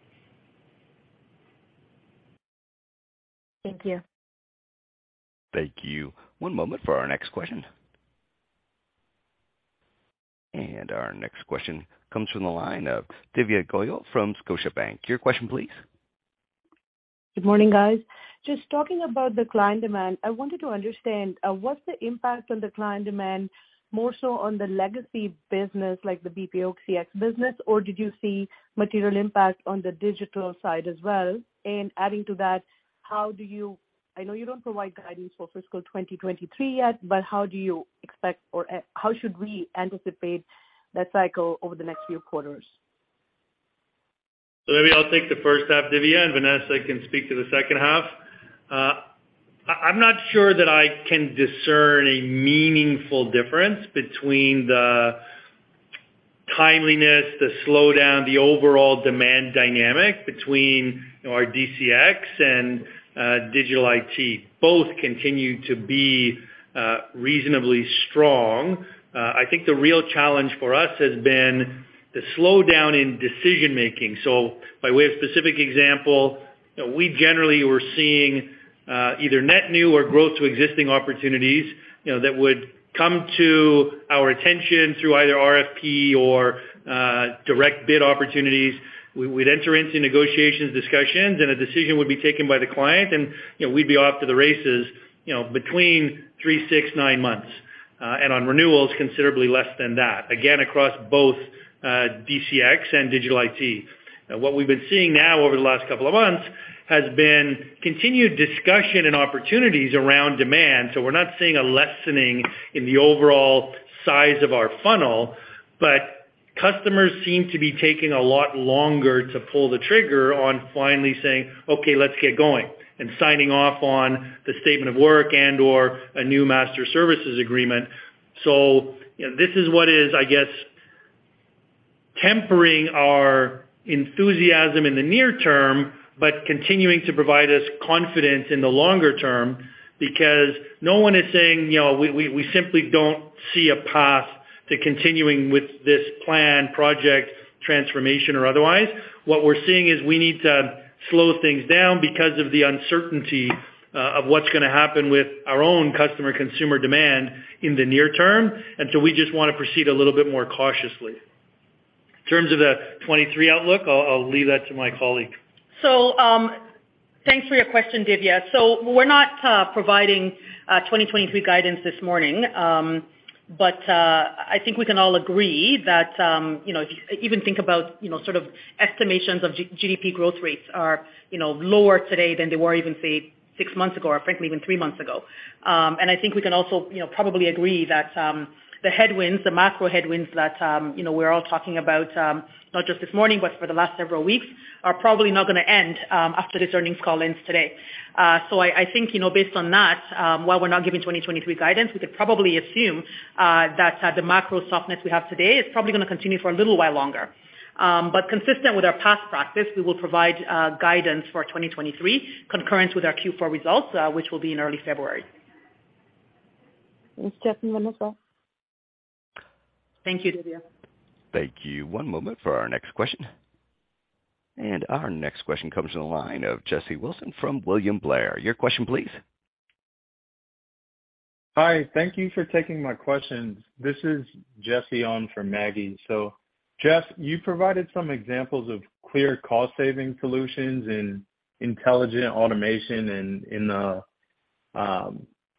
Thank you. Thank you. One moment for our next question. Our next question comes from the line of Divya Goyal from Scotiabank. Your question please. Good morning, guys. Just talking about the client demand, I wanted to understand what's the impact on the client demand, more so on the legacy business, like the BPO CX business, or did you see material impact on the digital side as well? Adding to that, I know you don't provide guidance for fiscal 2023 yet, but how should we anticipate that cycle over the next few quarters? Maybe I'll take the first half, Divya, and Vanessa can speak to the second half. I'm not sure that I can discern a meaningful difference between the timeliness, the slowdown, the overall demand dynamic between our DCX and digital IT. Both continue to be reasonably strong. I think the real challenge for us has been the slowdown in decision-making. By way of specific example, we generally were seeing either net new or growth to existing opportunities, you know, that would come to our attention through either RFP or direct bid opportunities. We'd enter into negotiations, discussions, and a decision would be taken by the client and, you know, we'd be off to the races, you know, between three, six, nine months. On renewals, considerably less than that, again, across both DCX and digital IT. Now what we've been seeing now over the last couple of months has been continued discussion and opportunities around demand. We're not seeing a lessening in the overall size of our funnel, but customers seem to be taking a lot longer to pull the trigger on finally saying, "Okay, let's get going," and signing off on the statement of work and/or a new master services agreement. This is what is, I guess, tempering our enthusiasm in the near term, but continuing to provide us confidence in the longer term, because no one is saying, you know, we simply don't see a path to continuing with this plan, project, transformation or otherwise. What we're seeing is we need to slow things down because of the uncertainty of what's gonna happen with our own customer consumer demand in the near term, and so we just wanna proceed a little bit more cautiously. In terms of the 2023 outlook, I'll leave that to my colleague. Thanks for your question, Divya. We're not providing 2023 guidance this morning. I think we can all agree that, you know, if you even think about, you know, sort of estimations of GDP growth rates are, you know, lower today than they were even, say, six months ago, or frankly, even three months ago. I think we can also, you know, probably agree that, the headwinds, the macro headwinds that, you know, we're all talking about, not just this morning, but for the last several weeks, are probably not gonna end, after this earnings call ends today. I think, you know, based on that, while we're not giving 2023 guidance, we could probably assume that the macro softness we have today is probably gonna continue for a little while longer. Consistent with our past practice, we will provide guidance for 2023 concurrent with our Q4 results, which will be in early February. Thanks, Jeff and Vanessa. Thank you, Divya. Thank you. One moment for our next question. Our next question comes from the line of Jesse Wilson from William Blair. Your question please. Hi. Thank you for taking my questions. This is Jesse on for Maggie. Jeff, you provided some examples of clear cost-saving solutions in intelligent automation and in the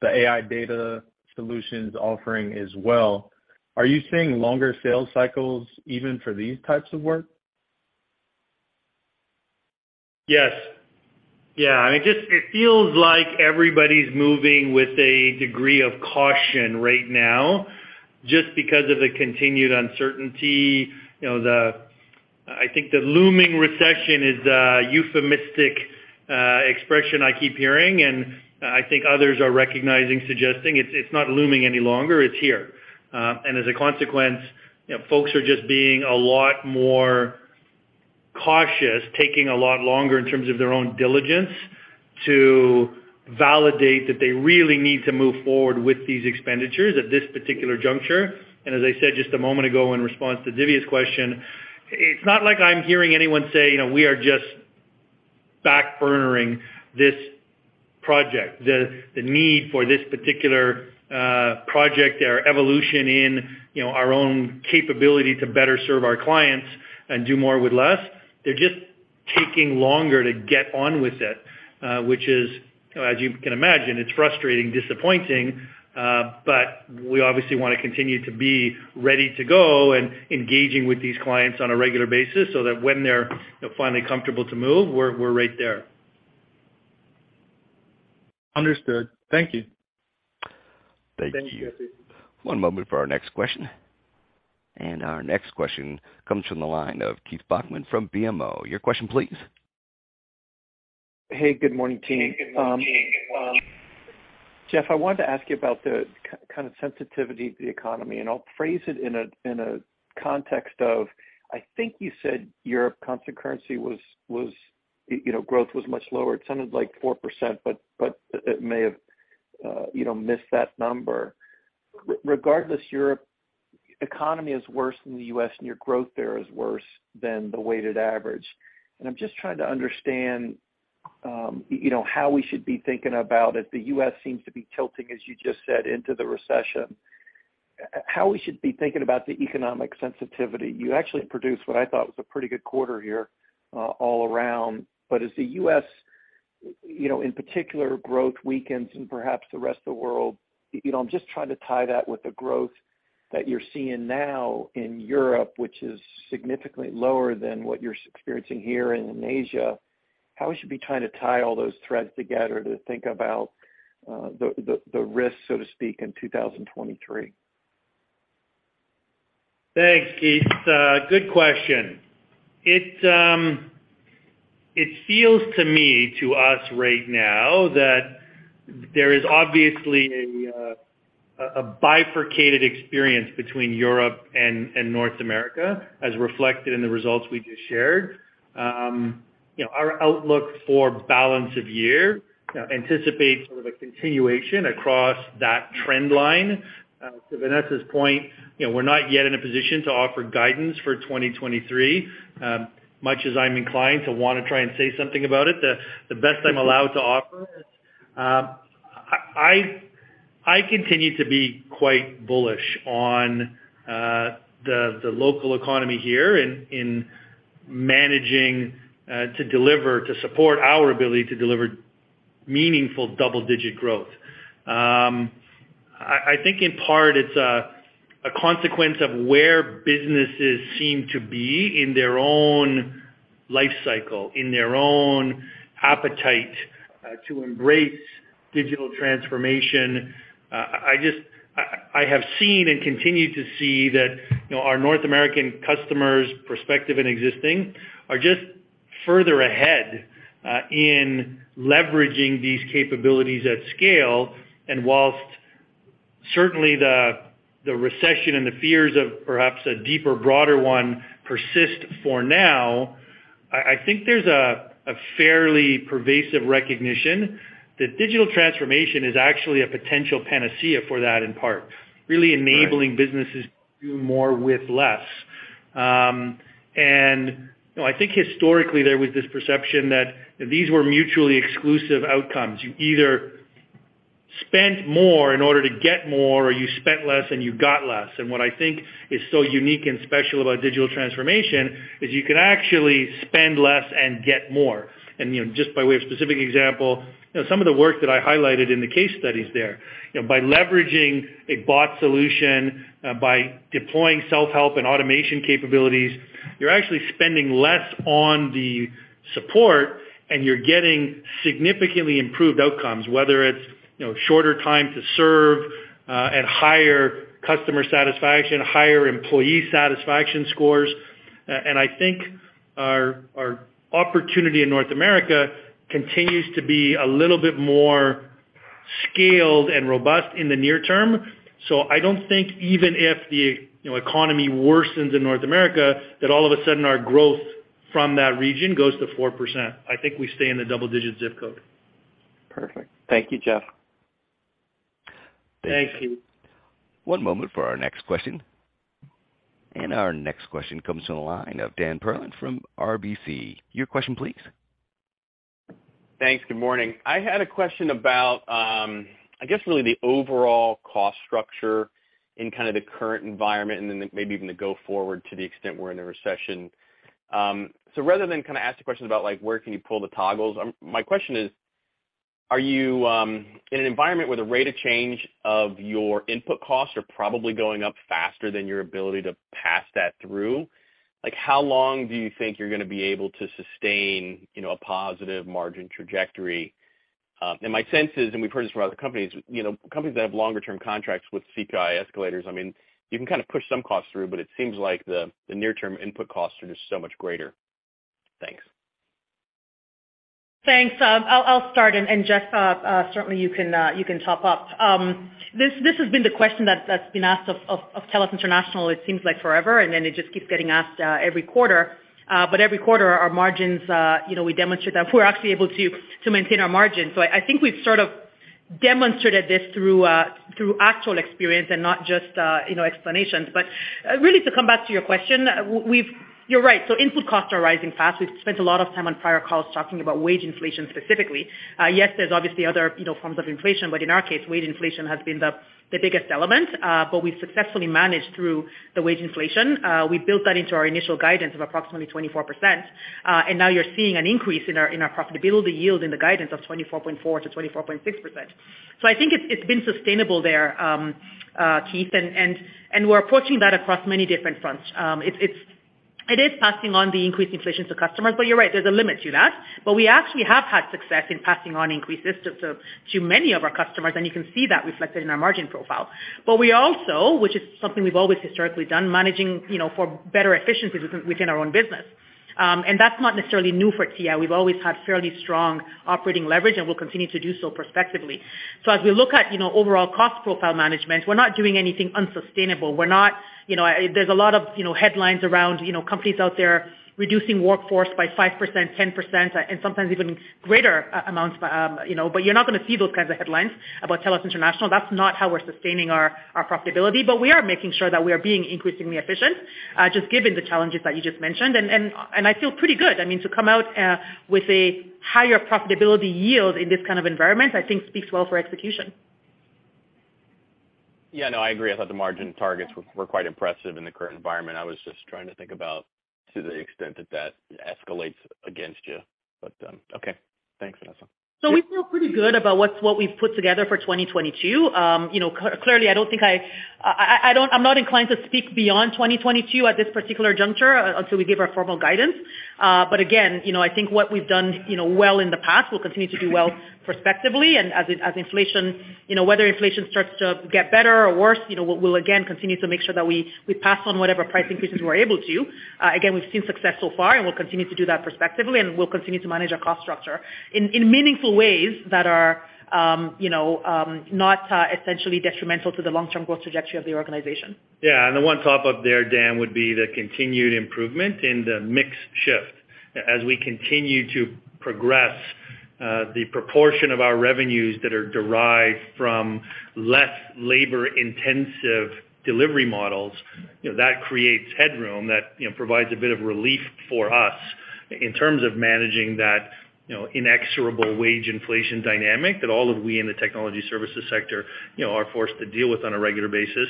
AI data solutions offering as well. Are you seeing longer sales cycles even for these types of work? Yes. Yeah, I mean, just it feels like everybody's moving with a degree of caution right now just because of the continued uncertainty. You know, I think the looming recession is the euphemistic expression I keep hearing, and I think others are recognizing, suggesting it's not looming any longer, it's here. As a consequence, you know, folks are just being a lot more cautious, taking a lot longer in terms of their own diligence to validate that they really need to move forward with these expenditures at this particular juncture. As I said just a moment ago in response to Divya's question, it's not like I'm hearing anyone say, you know, we are just back burnering this project. The need for this particular project, our evolution in, you know, our own capability to better serve our clients and do more with less, they're just taking longer to get on with it, which is, as you can imagine, it's frustrating, disappointing, but we obviously wanna continue to be ready to go and engaging with these clients on a regular basis so that when they're, you know, finally comfortable to move, we're right there. Understood. Thank you. Thank you. Thank you, Jeff. One moment for our next question. Our next question comes from the line of Keith Bachman from BMO. Your question please. Hey, good morning, team. Jeff, I wanted to ask you about the kind of sensitivity to the economy, and I'll phrase it in a context of, I think you said Europe constant currency was, you know, growth was much lower. It sounded like 4%, but it may have, you know, missed that number. Regardless, Europe economy is worse than the U.S., and your growth there is worse than the weighted average. I'm just trying to understand, you know, how we should be thinking about it. The U.S. seems to be tilting, as you just said, into the recession. How we should be thinking about the economic sensitivity. You actually produced what I thought was a pretty good quarter here, all around. As the U.S., you know, in particular growth weakens and perhaps the rest of the world, you know, I'm just trying to tie that with the growth that you're seeing now in Europe, which is significantly lower than what you're experiencing here and in Asia. How we should be trying to tie all those threads together to think about the risk, so to speak, in 2023. Thanks, Keith. Good question. It feels to me, to us right now that there is obviously a bifurcated experience between Europe and North America, as reflected in the results we just shared. You know, our outlook for balance of year anticipates sort of a continuation across that trend line. To Vanessa's point, you know, we're not yet in a position to offer guidance for 2023, much as I'm inclined to wanna try and say something about it. The best I'm allowed to offer is I continue to be quite bullish on the local economy here in managing to deliver to support our ability to deliver meaningful double-digit growth. I think in part it's a consequence of where businesses seem to be in their own life cycle, in their own appetite to embrace digital transformation. I have seen and continue to see that, you know, our North American customers, prospective and existing, are just further ahead in leveraging these capabilities at scale. While certainly the recession and the fears of perhaps a deeper, broader one persist for now, I think there's a fairly pervasive recognition that digital transformation is actually a potential panacea for that in part. Right. Really enabling businesses to do more with less. You know, I think historically there was this perception that these were mutually exclusive outcomes. You either spent more in order to get more or you spent less and you got less. What I think is so unique and special about digital transformation is you can actually spend less and get more. You know, just by way of specific example, you know, some of the work that I highlighted in the case studies there. You know, by leveraging a bot solution, by deploying self-help and automation capabilities, you're actually spending less on the support and you're getting significantly improved outcomes, whether it's, you know, shorter time to serve, at higher customer satisfaction, higher employee satisfaction scores. I think our opportunity in North America continues to be a little bit more scaled and robust in the near term. I don't think even if the, you know, economy worsens in North America, that all of a sudden our growth from that region goes to 4%. I think we stay in the double-digit ZIP code. Perfect. Thank you, Jeff. Thanks, Keith. One moment for our next question. Our next question comes from the line of Daniel Perlin from RBC. Your question please. Thanks. Good morning. I had a question about, I guess really the overall cost structure in kind of the current environment and then maybe even the go forward to the extent we're in a recession. So rather than kinda ask the questions about like, where can you pull the toggles, my question is: Are you in an environment where the rate of change of your input costs are probably going up faster than your ability to pass that through? Like, how long do you think you're gonna be able to sustain, you know, a positive margin trajectory? And my sense is, and we've heard this from other companies, you know, companies that have longer term contracts with CPI escalators, I mean, you can kind of push some costs through, but it seems like the near term input costs are just so much greater. Thanks. Thanks. I'll start and Jeff, certainly you can top up. This has been the question that's been asked of TELUS International it seems like forever, and then it just keeps getting asked every quarter. Every quarter our margins, you know, we demonstrate that we're actually able to maintain our margins. I think we've sort of demonstrated this through actual experience and not just, you know, explanations. Really to come back to your question, we've. You're right. Input costs are rising fast. We've spent a lot of time on prior calls talking about wage inflation specifically. Yes, there's obviously other, you know, forms of inflation, but in our case, wage inflation has been the biggest element. But we've successfully managed through the wage inflation. We built that into our initial guidance of approximately 24%. Now you're seeing an increase in our profitability yield in the guidance of 24.4%-24.6%. I think it's been sustainable there, Keith, and we're approaching that across many different fronts. It is passing on the increased inflation to customers, but you're right, there's a limit to that. We actually have had success in passing on increases to many of our customers, and you can see that reflected in our margin profile. We also, which is something we've always historically done, managing, you know, for better efficiencies within our own business. That's not necessarily new for TI. We've always had fairly strong operating leverage, and we'll continue to do so prospectively. As we look at, you know, overall cost profile management, we're not doing anything unsustainable. We're not, you know. There's a lot of, you know, headlines around, you know, companies out there reducing workforce by 5%, 10%, and sometimes even greater amounts, you know. You're not gonna see those kinds of headlines about TELUS International. That's not how we're sustaining our profitability. We are making sure that we are being increasingly efficient, just given the challenges that you just mentioned. I feel pretty good. I mean, to come out with a higher profitability yield in this kind of environment, I think speaks well for execution. Yeah, no, I agree. I thought the margin targets were quite impressive in the current environment. I was just trying to think about to the extent that escalates against you. Okay. Thanks, Vanessa. We feel pretty good about what we've put together for 2022. Clearly, I'm not inclined to speak beyond 2022 at this particular juncture until we give our formal guidance. You know, I think what we've done, you know, well in the past will continue to do well prospectively. As inflation, you know, whether inflation starts to get better or worse, you know, we'll again continue to make sure that we pass on whatever price increases we're able to. Again, we've seen success so far, and we'll continue to do that prospectively, and we'll continue to manage our cost structure in meaningful ways that are, you know, not essentially detrimental to the long-term growth trajectory of the organization. Yeah. The one top up there, Dan, would be the continued improvement in the mix shift. As we continue to progress, the proportion of our revenues that are derived from less labor-intensive delivery models, you know, that creates headroom that, you know, provides a bit of relief for us in terms of managing that, you know, inexorable wage inflation dynamic that all of we in the technology services sector, you know, are forced to deal with on a regular basis.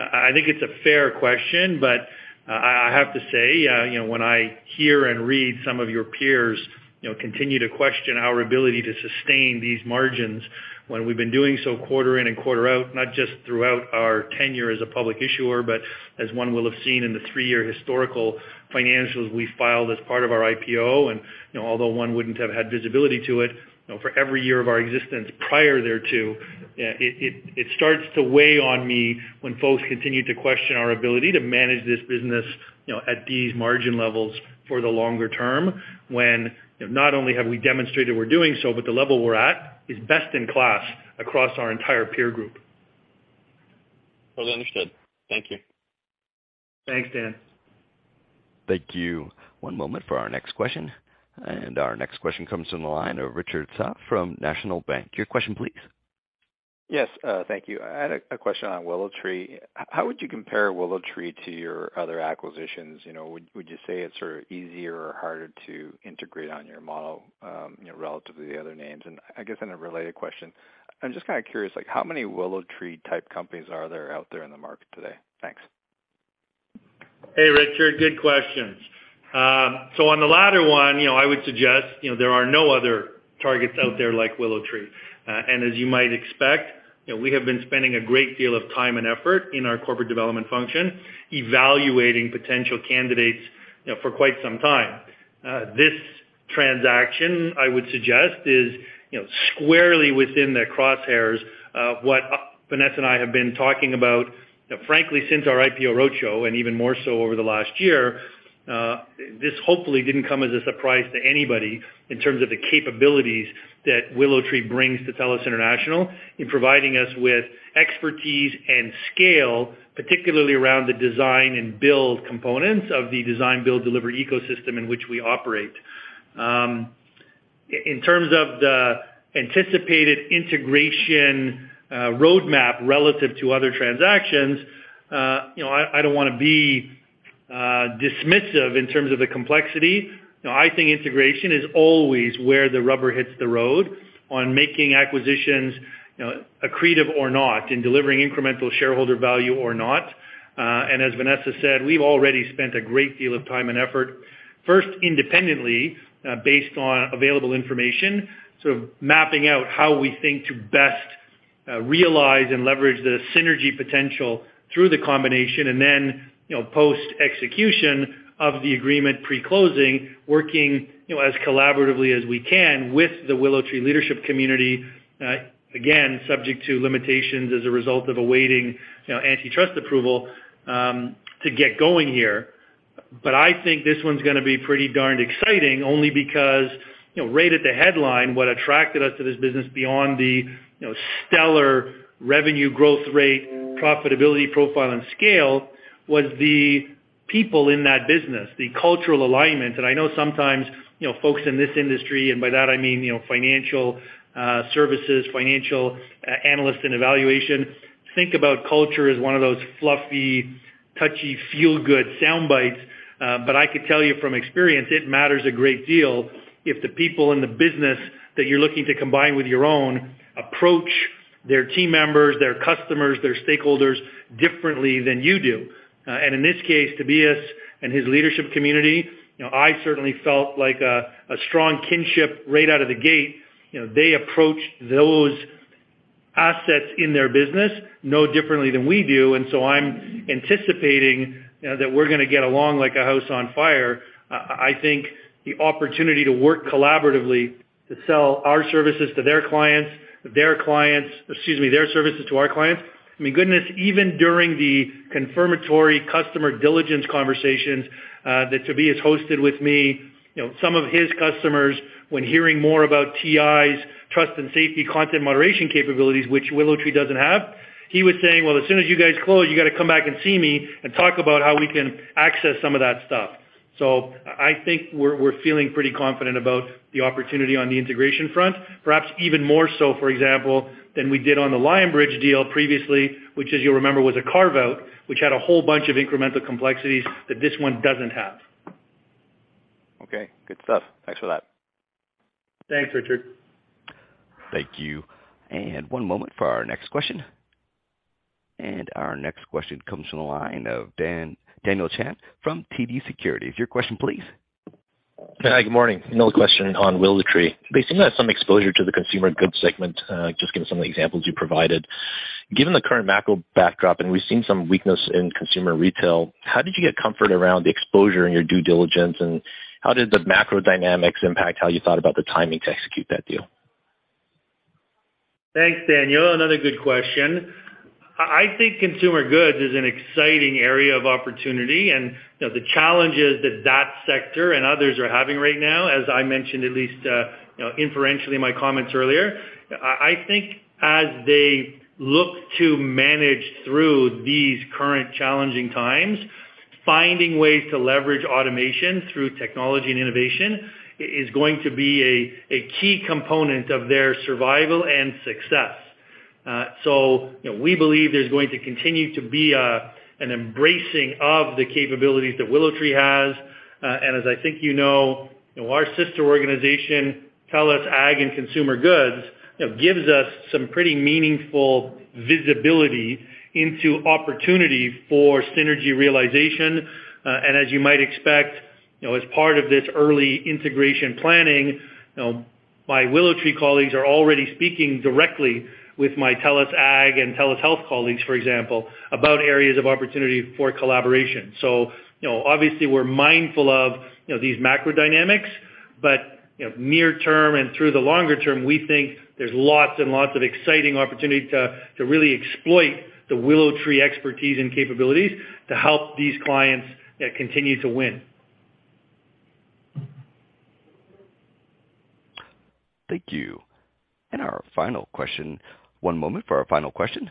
I think it's a fair question, but I have to say, you know, when I hear and read some of your peers, you know, continue to question our ability to sustain these margins when we've been doing so quarter in and quarter out, not just throughout our tenure as a public issuer, but as one will have seen in the three-year historical financials we filed as part of our IPO. You know, although one wouldn't have had visibility to it, you know, for every year of our existence prior thereto, it starts to weigh on me when folks continue to question our ability to manage this business, you know, at these margin levels for the longer term, when not only have we demonstrated we're doing so, but the level we're at is best in class across our entire peer group. Well understood. Thank you. Thanks, Dan. Thank you. One moment for our next question. Our next question comes from the line of Richard Tse from National Bank Financial. Your question please. Yes. Thank you. I had a question on WillowTree. How would you compare WillowTree to your other acquisitions? You know, would you say it's sort of easier or harder to integrate on your model, you know, relative to the other names? I guess in a related question, I'm just kinda curious, like, how many WillowTree-type companies are there out there in the market today? Thanks. Hey, Richard, good questions. On the latter one, you know, I would suggest, you know, there are no other targets out there like WillowTree. As you might expect, you know, we have been spending a great deal of time and effort in our corporate development function evaluating potential candidates, you know, for quite some time. This transaction, I would suggest is, you know, squarely within the crosshairs of what Vanessa and I have been talking about, you know, frankly, since our IPO roadshow, and even more so over the last year. This hopefully didn't come as a surprise to anybody in terms of the capabilities that WillowTree brings to TELUS International in providing us with expertise and scale, particularly around the design and build components of the design build delivery ecosystem in which we operate. In terms of the anticipated integration roadmap relative to other transactions, you know, I don't wanna be dismissive in terms of the complexity. You know, I think integration is always where the rubber hits the road on making acquisitions, you know, accretive or not, in delivering incremental shareholder value or not. As Vanessa said, we've already spent a great deal of time and effort, first independently, based on available information, sort of mapping out how we think to best realize and leverage the synergy potential through the combination and then, you know, post-execution of the agreement pre-closing, working, you know, as collaboratively as we can with the WillowTree leadership community, again, subject to limitations as a result of awaiting, you know, antitrust approval, to get going here. I think this one's gonna be pretty darned exciting only because, you know, right at the headline, what attracted us to this business beyond the, you know, stellar revenue growth rate, profitability profile and scale was the people in that business, the cultural alignment. I know sometimes, you know, folks in this industry, and by that I mean, you know, financial, services, financial, analysts and valuation, think about culture as one of those fluffy, touchy, feel-good sound bites. I could tell you from experience, it matters a great deal if the people in the business that you're looking to combine with your own approach their team members, their customers, their stakeholders differently than you do. In this case, Tobias and his leadership community, you know, I certainly felt like a strong kinship right out of the gate. You know, they approach those assets in their business no differently than we do. I'm anticipating, you know, that we're gonna get along like a house on fire. I think the opportunity to work collaboratively to sell our services to their clients. Excuse me, their services to our clients. I mean, goodness, even during the confirmatory customer diligence conversations that Tobias hosted with me, you know, some of his customers, when hearing more about TI's trust and safety content moderation capabilities, which WillowTree doesn't have, he was saying, "Well, as soon as you guys close, you got to come back and see me and talk about how we can access some of that stuff." I think we're feeling pretty confident about the opportunity on the integration front, perhaps even more so, for example, than we did on the Lionbridge deal previously, which as you'll remember, was a carve-out, which had a whole bunch of incremental complexities that this one doesn't have. Okay, good stuff. Thanks for that. Thanks, Richard. Thank you. One moment for our next question. Our next question comes from the line of Daniel Chan from TD Securities. Your question please. Hi, good morning. Another question on WillowTree. They seem to have some exposure to the consumer goods segment, just given some of the examples you provided. Given the current macro backdrop, and we've seen some weakness in consumer retail, how did you get comfort around the exposure in your due diligence, and how did the macro dynamics impact how you thought about the timing to execute that deal? Thanks, Daniel. Another good question. I think consumer goods is an exciting area of opportunity, and, you know, the challenges that that sector and others are having right now, as I mentioned at least, you know, inferentially in my comments earlier, I think as they look to manage through these current challenging times, finding ways to leverage automation through technology and innovation is going to be a key component of their survival and success. So, you know, we believe there's going to continue to be an embracing of the capabilities that WillowTree has. And as I think you know, our sister organization, TELUS Agriculture & Consumer Goods, you know, gives us some pretty meaningful visibility into opportunity for synergy realization. As you might expect, you know, as part of this early integration planning, you know, my WillowTree colleagues are already speaking directly with my TELUS Ag and TELUS Health colleagues, for example, about areas of opportunity for collaboration. You know, obviously we're mindful of, you know, these macro dynamics, but, you know, near term and through the longer term, we think there's lots and lots of exciting opportunity to really exploit the WillowTree expertise and capabilities to help these clients continue to win. Thank you. Our final question. One moment for our final question.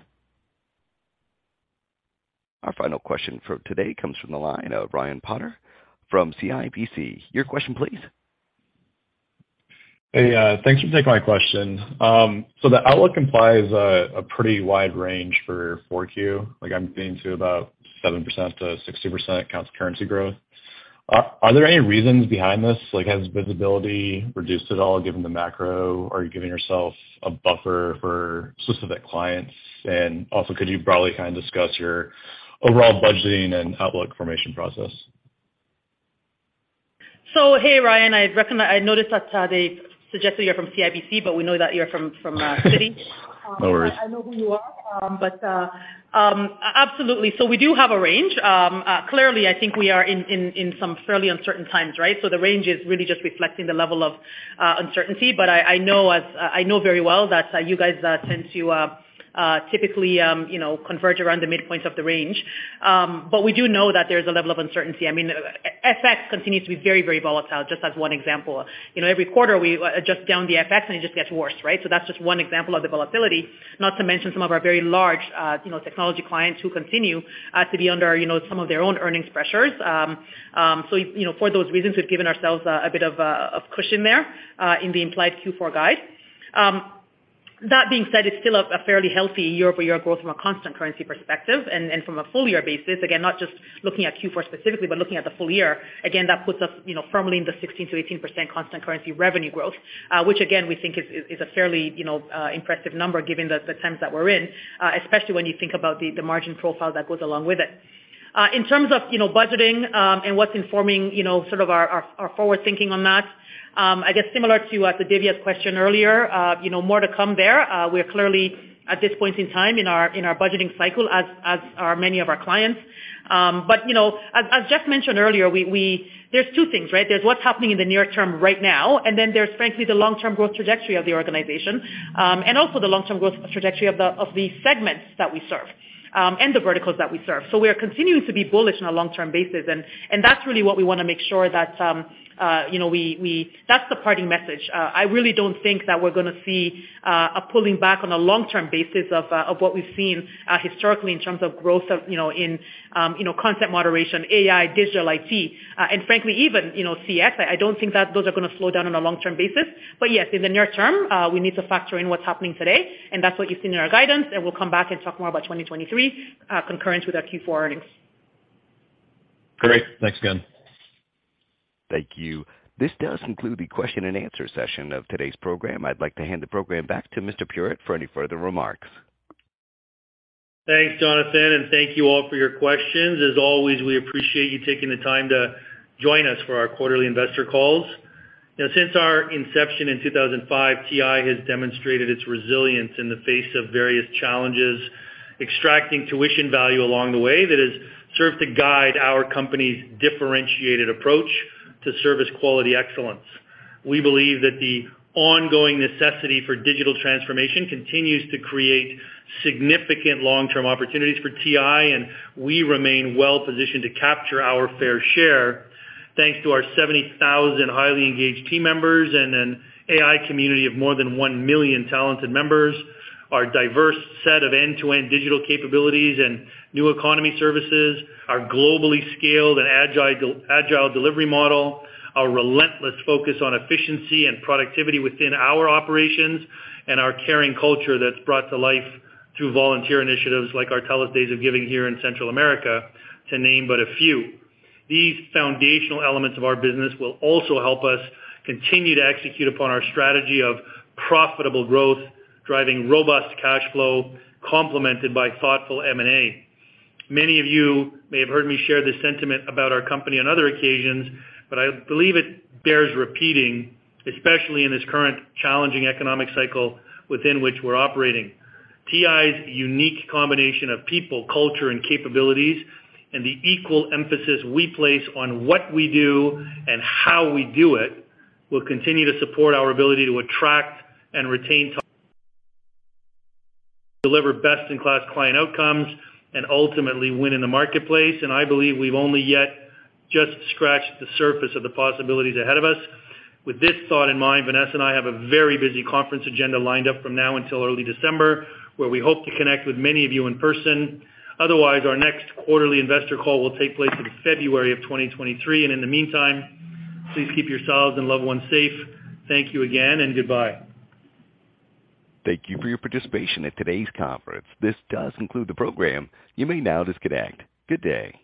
Our final question for today comes from the line of Ryan Potter from CIBC. Your question please. Hey, thanks for taking my question. So the outlook implies a pretty wide range for 4Q. Like, I'm getting to about 7%-60% currency growth. Are there any reasons behind this? Like, has visibility reduced at all given the macro? Are you giving yourself a buffer for specific clients? Also could you broadly kind of discuss your overall budgeting and outlook formation process? Hey, Ryan. I noticed that they suggested you're from CIBC, but we know that you're from Citi. No worries. I know who you are. Absolutely. We do have a range. Clearly, I think we are in some fairly uncertain times, right? The range is really just reflecting the level of uncertainty. I know very well that you guys tend to typically, you know, converge around the midpoint of the range. We do know that there's a level of uncertainty. I mean, FX continues to be very, very volatile, just as one example. You know, every quarter we adjust down the FX and it just gets worse, right? That's just one example of the volatility, not to mention some of our very large, you know, technology clients who continue to be under, you know, some of their own earnings pressures. You know, for those reasons, we've given ourselves a bit of cushion there in the implied Q4 guide. That being said, it's still a fairly healthy year-over-year growth from a constant currency perspective and from a full year basis. Again, not just looking at Q4 specifically, but looking at the full year. Again, that puts us, you know, firmly in the 16%-18% constant currency revenue growth, which again, we think is a fairly, you know, impressive number given the times that we're in, especially when you think about the margin profile that goes along with it. In terms of, you know, budgeting, and what's informing, you know, sort of our forward thinking on that, I guess similar to Divya's question earlier, you know, more to come there. We're clearly at this point in time in our budgeting cycle as are many of our clients. But you know, as Jeff mentioned earlier, we There's two things, right? There's what's happening in the near term right now, and then there's frankly the long-term growth trajectory of the organization, and also the long-term growth trajectory of the segments that we serve, and the verticals that we serve. We are continuing to be bullish on a long-term basis, and that's really what we wanna make sure that, you know, we. That's the parting message. I really don't think that we're gonna see a pulling back on a long-term basis of what we've seen historically in terms of growth of, you know, in, you know, content moderation, AI, digital IT, and frankly, even, you know, CX. I don't think that those are gonna slow down on a long-term basis. Yes, in the near term, we need to factor in what's happening today, and that's what you've seen in our guidance, and we'll come back and talk more about 2023, concurrent with our Q4 earnings. Great. Thanks again. Thank you. This does conclude the question and answer session of today's program. I'd like to hand the program back to Mr. Puritt for any further remarks. Thanks, Jonathan, and thank you all for your questions. As always, we appreciate you taking the time to join us for our quarterly investor calls. You know, since our inception in 2005, TI has demonstrated its resilience in the face of various challenges, extracting tuition value along the way that has served to guide our company's differentiated approach to service quality excellence. We believe that the ongoing necessity for digital transformation continues to create significant long-term opportunities for TI, and we remain well-positioned to capture our fair share thanks to our 70,000 highly engaged team members and an AI community of more than one million talented members, our diverse set of end-to-end digital capabilities and new economy services, our globally scaled and agile delivery model, our relentless focus on efficiency and productivity within our operations, and our caring culture that's brought to life through volunteer initiatives like our TELUS Days of Giving here in Central America, to name but a few. These foundational elements of our business will also help us continue to execute upon our strategy of profitable growth, driving robust cash flow, complemented by thoughtful M&A. Many of you may have heard me share this sentiment about our company on other occasions, but I believe it bears repeating, especially in this current challenging economic cycle within which we're operating. TI's unique combination of people, culture, and capabilities and the equal emphasis we place on what we do and how we do it will continue to support our ability to attract and retain top talent to deliver best-in-class client outcomes and ultimately win in the marketplace, and I believe we've only just scratched the surface of the possibilities ahead of us. With this thought in mind, Vanessa and I have a very busy conference agenda lined up from now until early December, where we hope to connect with many of you in person. Otherwise, our next quarterly investor call will take place in February of 2023. In the meantime, please keep yourselves and loved ones safe. Thank you again and goodbye. Thank you for your participation in today's conference. This does conclude the program. You may now disconnect. Good day.